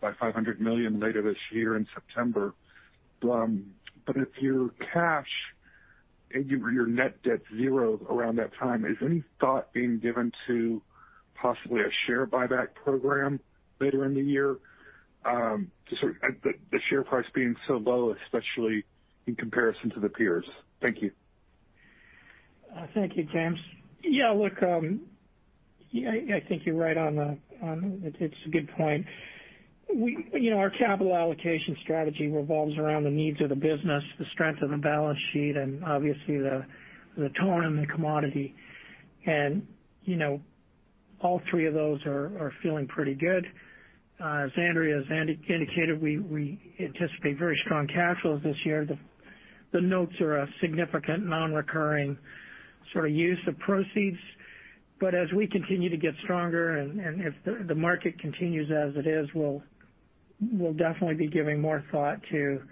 by $500 million later this year in September. If your cash and your net debt zero around that time, is any thought being given to possibly a share buyback program later in the year? The share price being so low, especially in comparison to the peers. Thank you. Thank you, James. I think you're right on. It's a good point. Our capital allocation strategy revolves around the needs of the business, the strength of the balance sheet, and obviously the tone in the commodity. All three of those are feeling pretty good. As Andrea indicated, we anticipate very strong cash flows this year. The notes are a significant non-recurring sort of use of proceeds. As we continue to get stronger and if the market continues as it is, we'll definitely be giving more thought to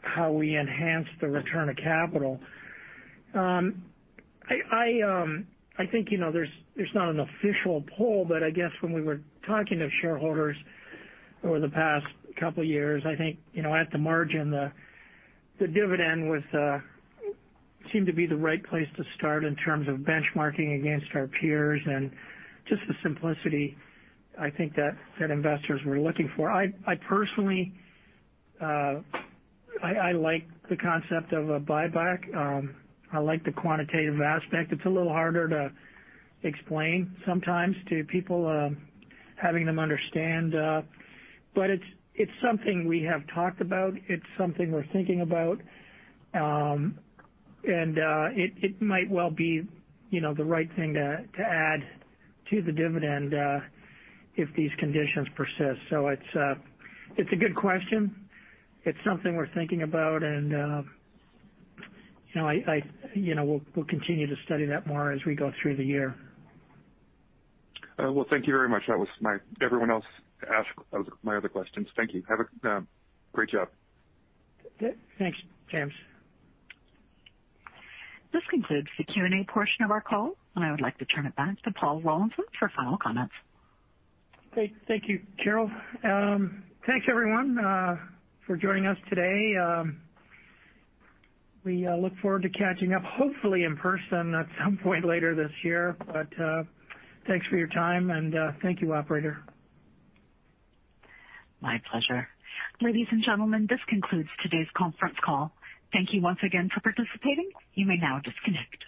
how we enhance the return of capital. I think there's not an official poll, but I guess when we were talking to shareholders over the past couple of years, I think, at the margin, the dividend seemed to be the right place to start in terms of benchmarking against our peers and just the simplicity I think that investors were looking for. I personally like the concept of a buyback. I like the quantitative aspect. It's a little harder to explain sometimes to people, having them understand. It's something we have talked about. It's something we're thinking about. It might well be the right thing to add to the dividend if these conditions persist. It's a good question. It's something we're thinking about, and we'll continue to study that more as we go through the year. Well, thank you very much. Everyone else asked my other questions. Thank you. Great job. Thanks, James. This concludes the Q&A portion of our call. I would like to turn it back to Paul Rollinson for final comments. Great. Thank you, Carol. Thanks, everyone, for joining us today. We look forward to catching up, hopefully in person, at some point later this year. Thanks for your time, and thank you, operator. My pleasure. Ladies and gentlemen, this concludes today's conference call. Thank you once again for participating. You may now disconnect.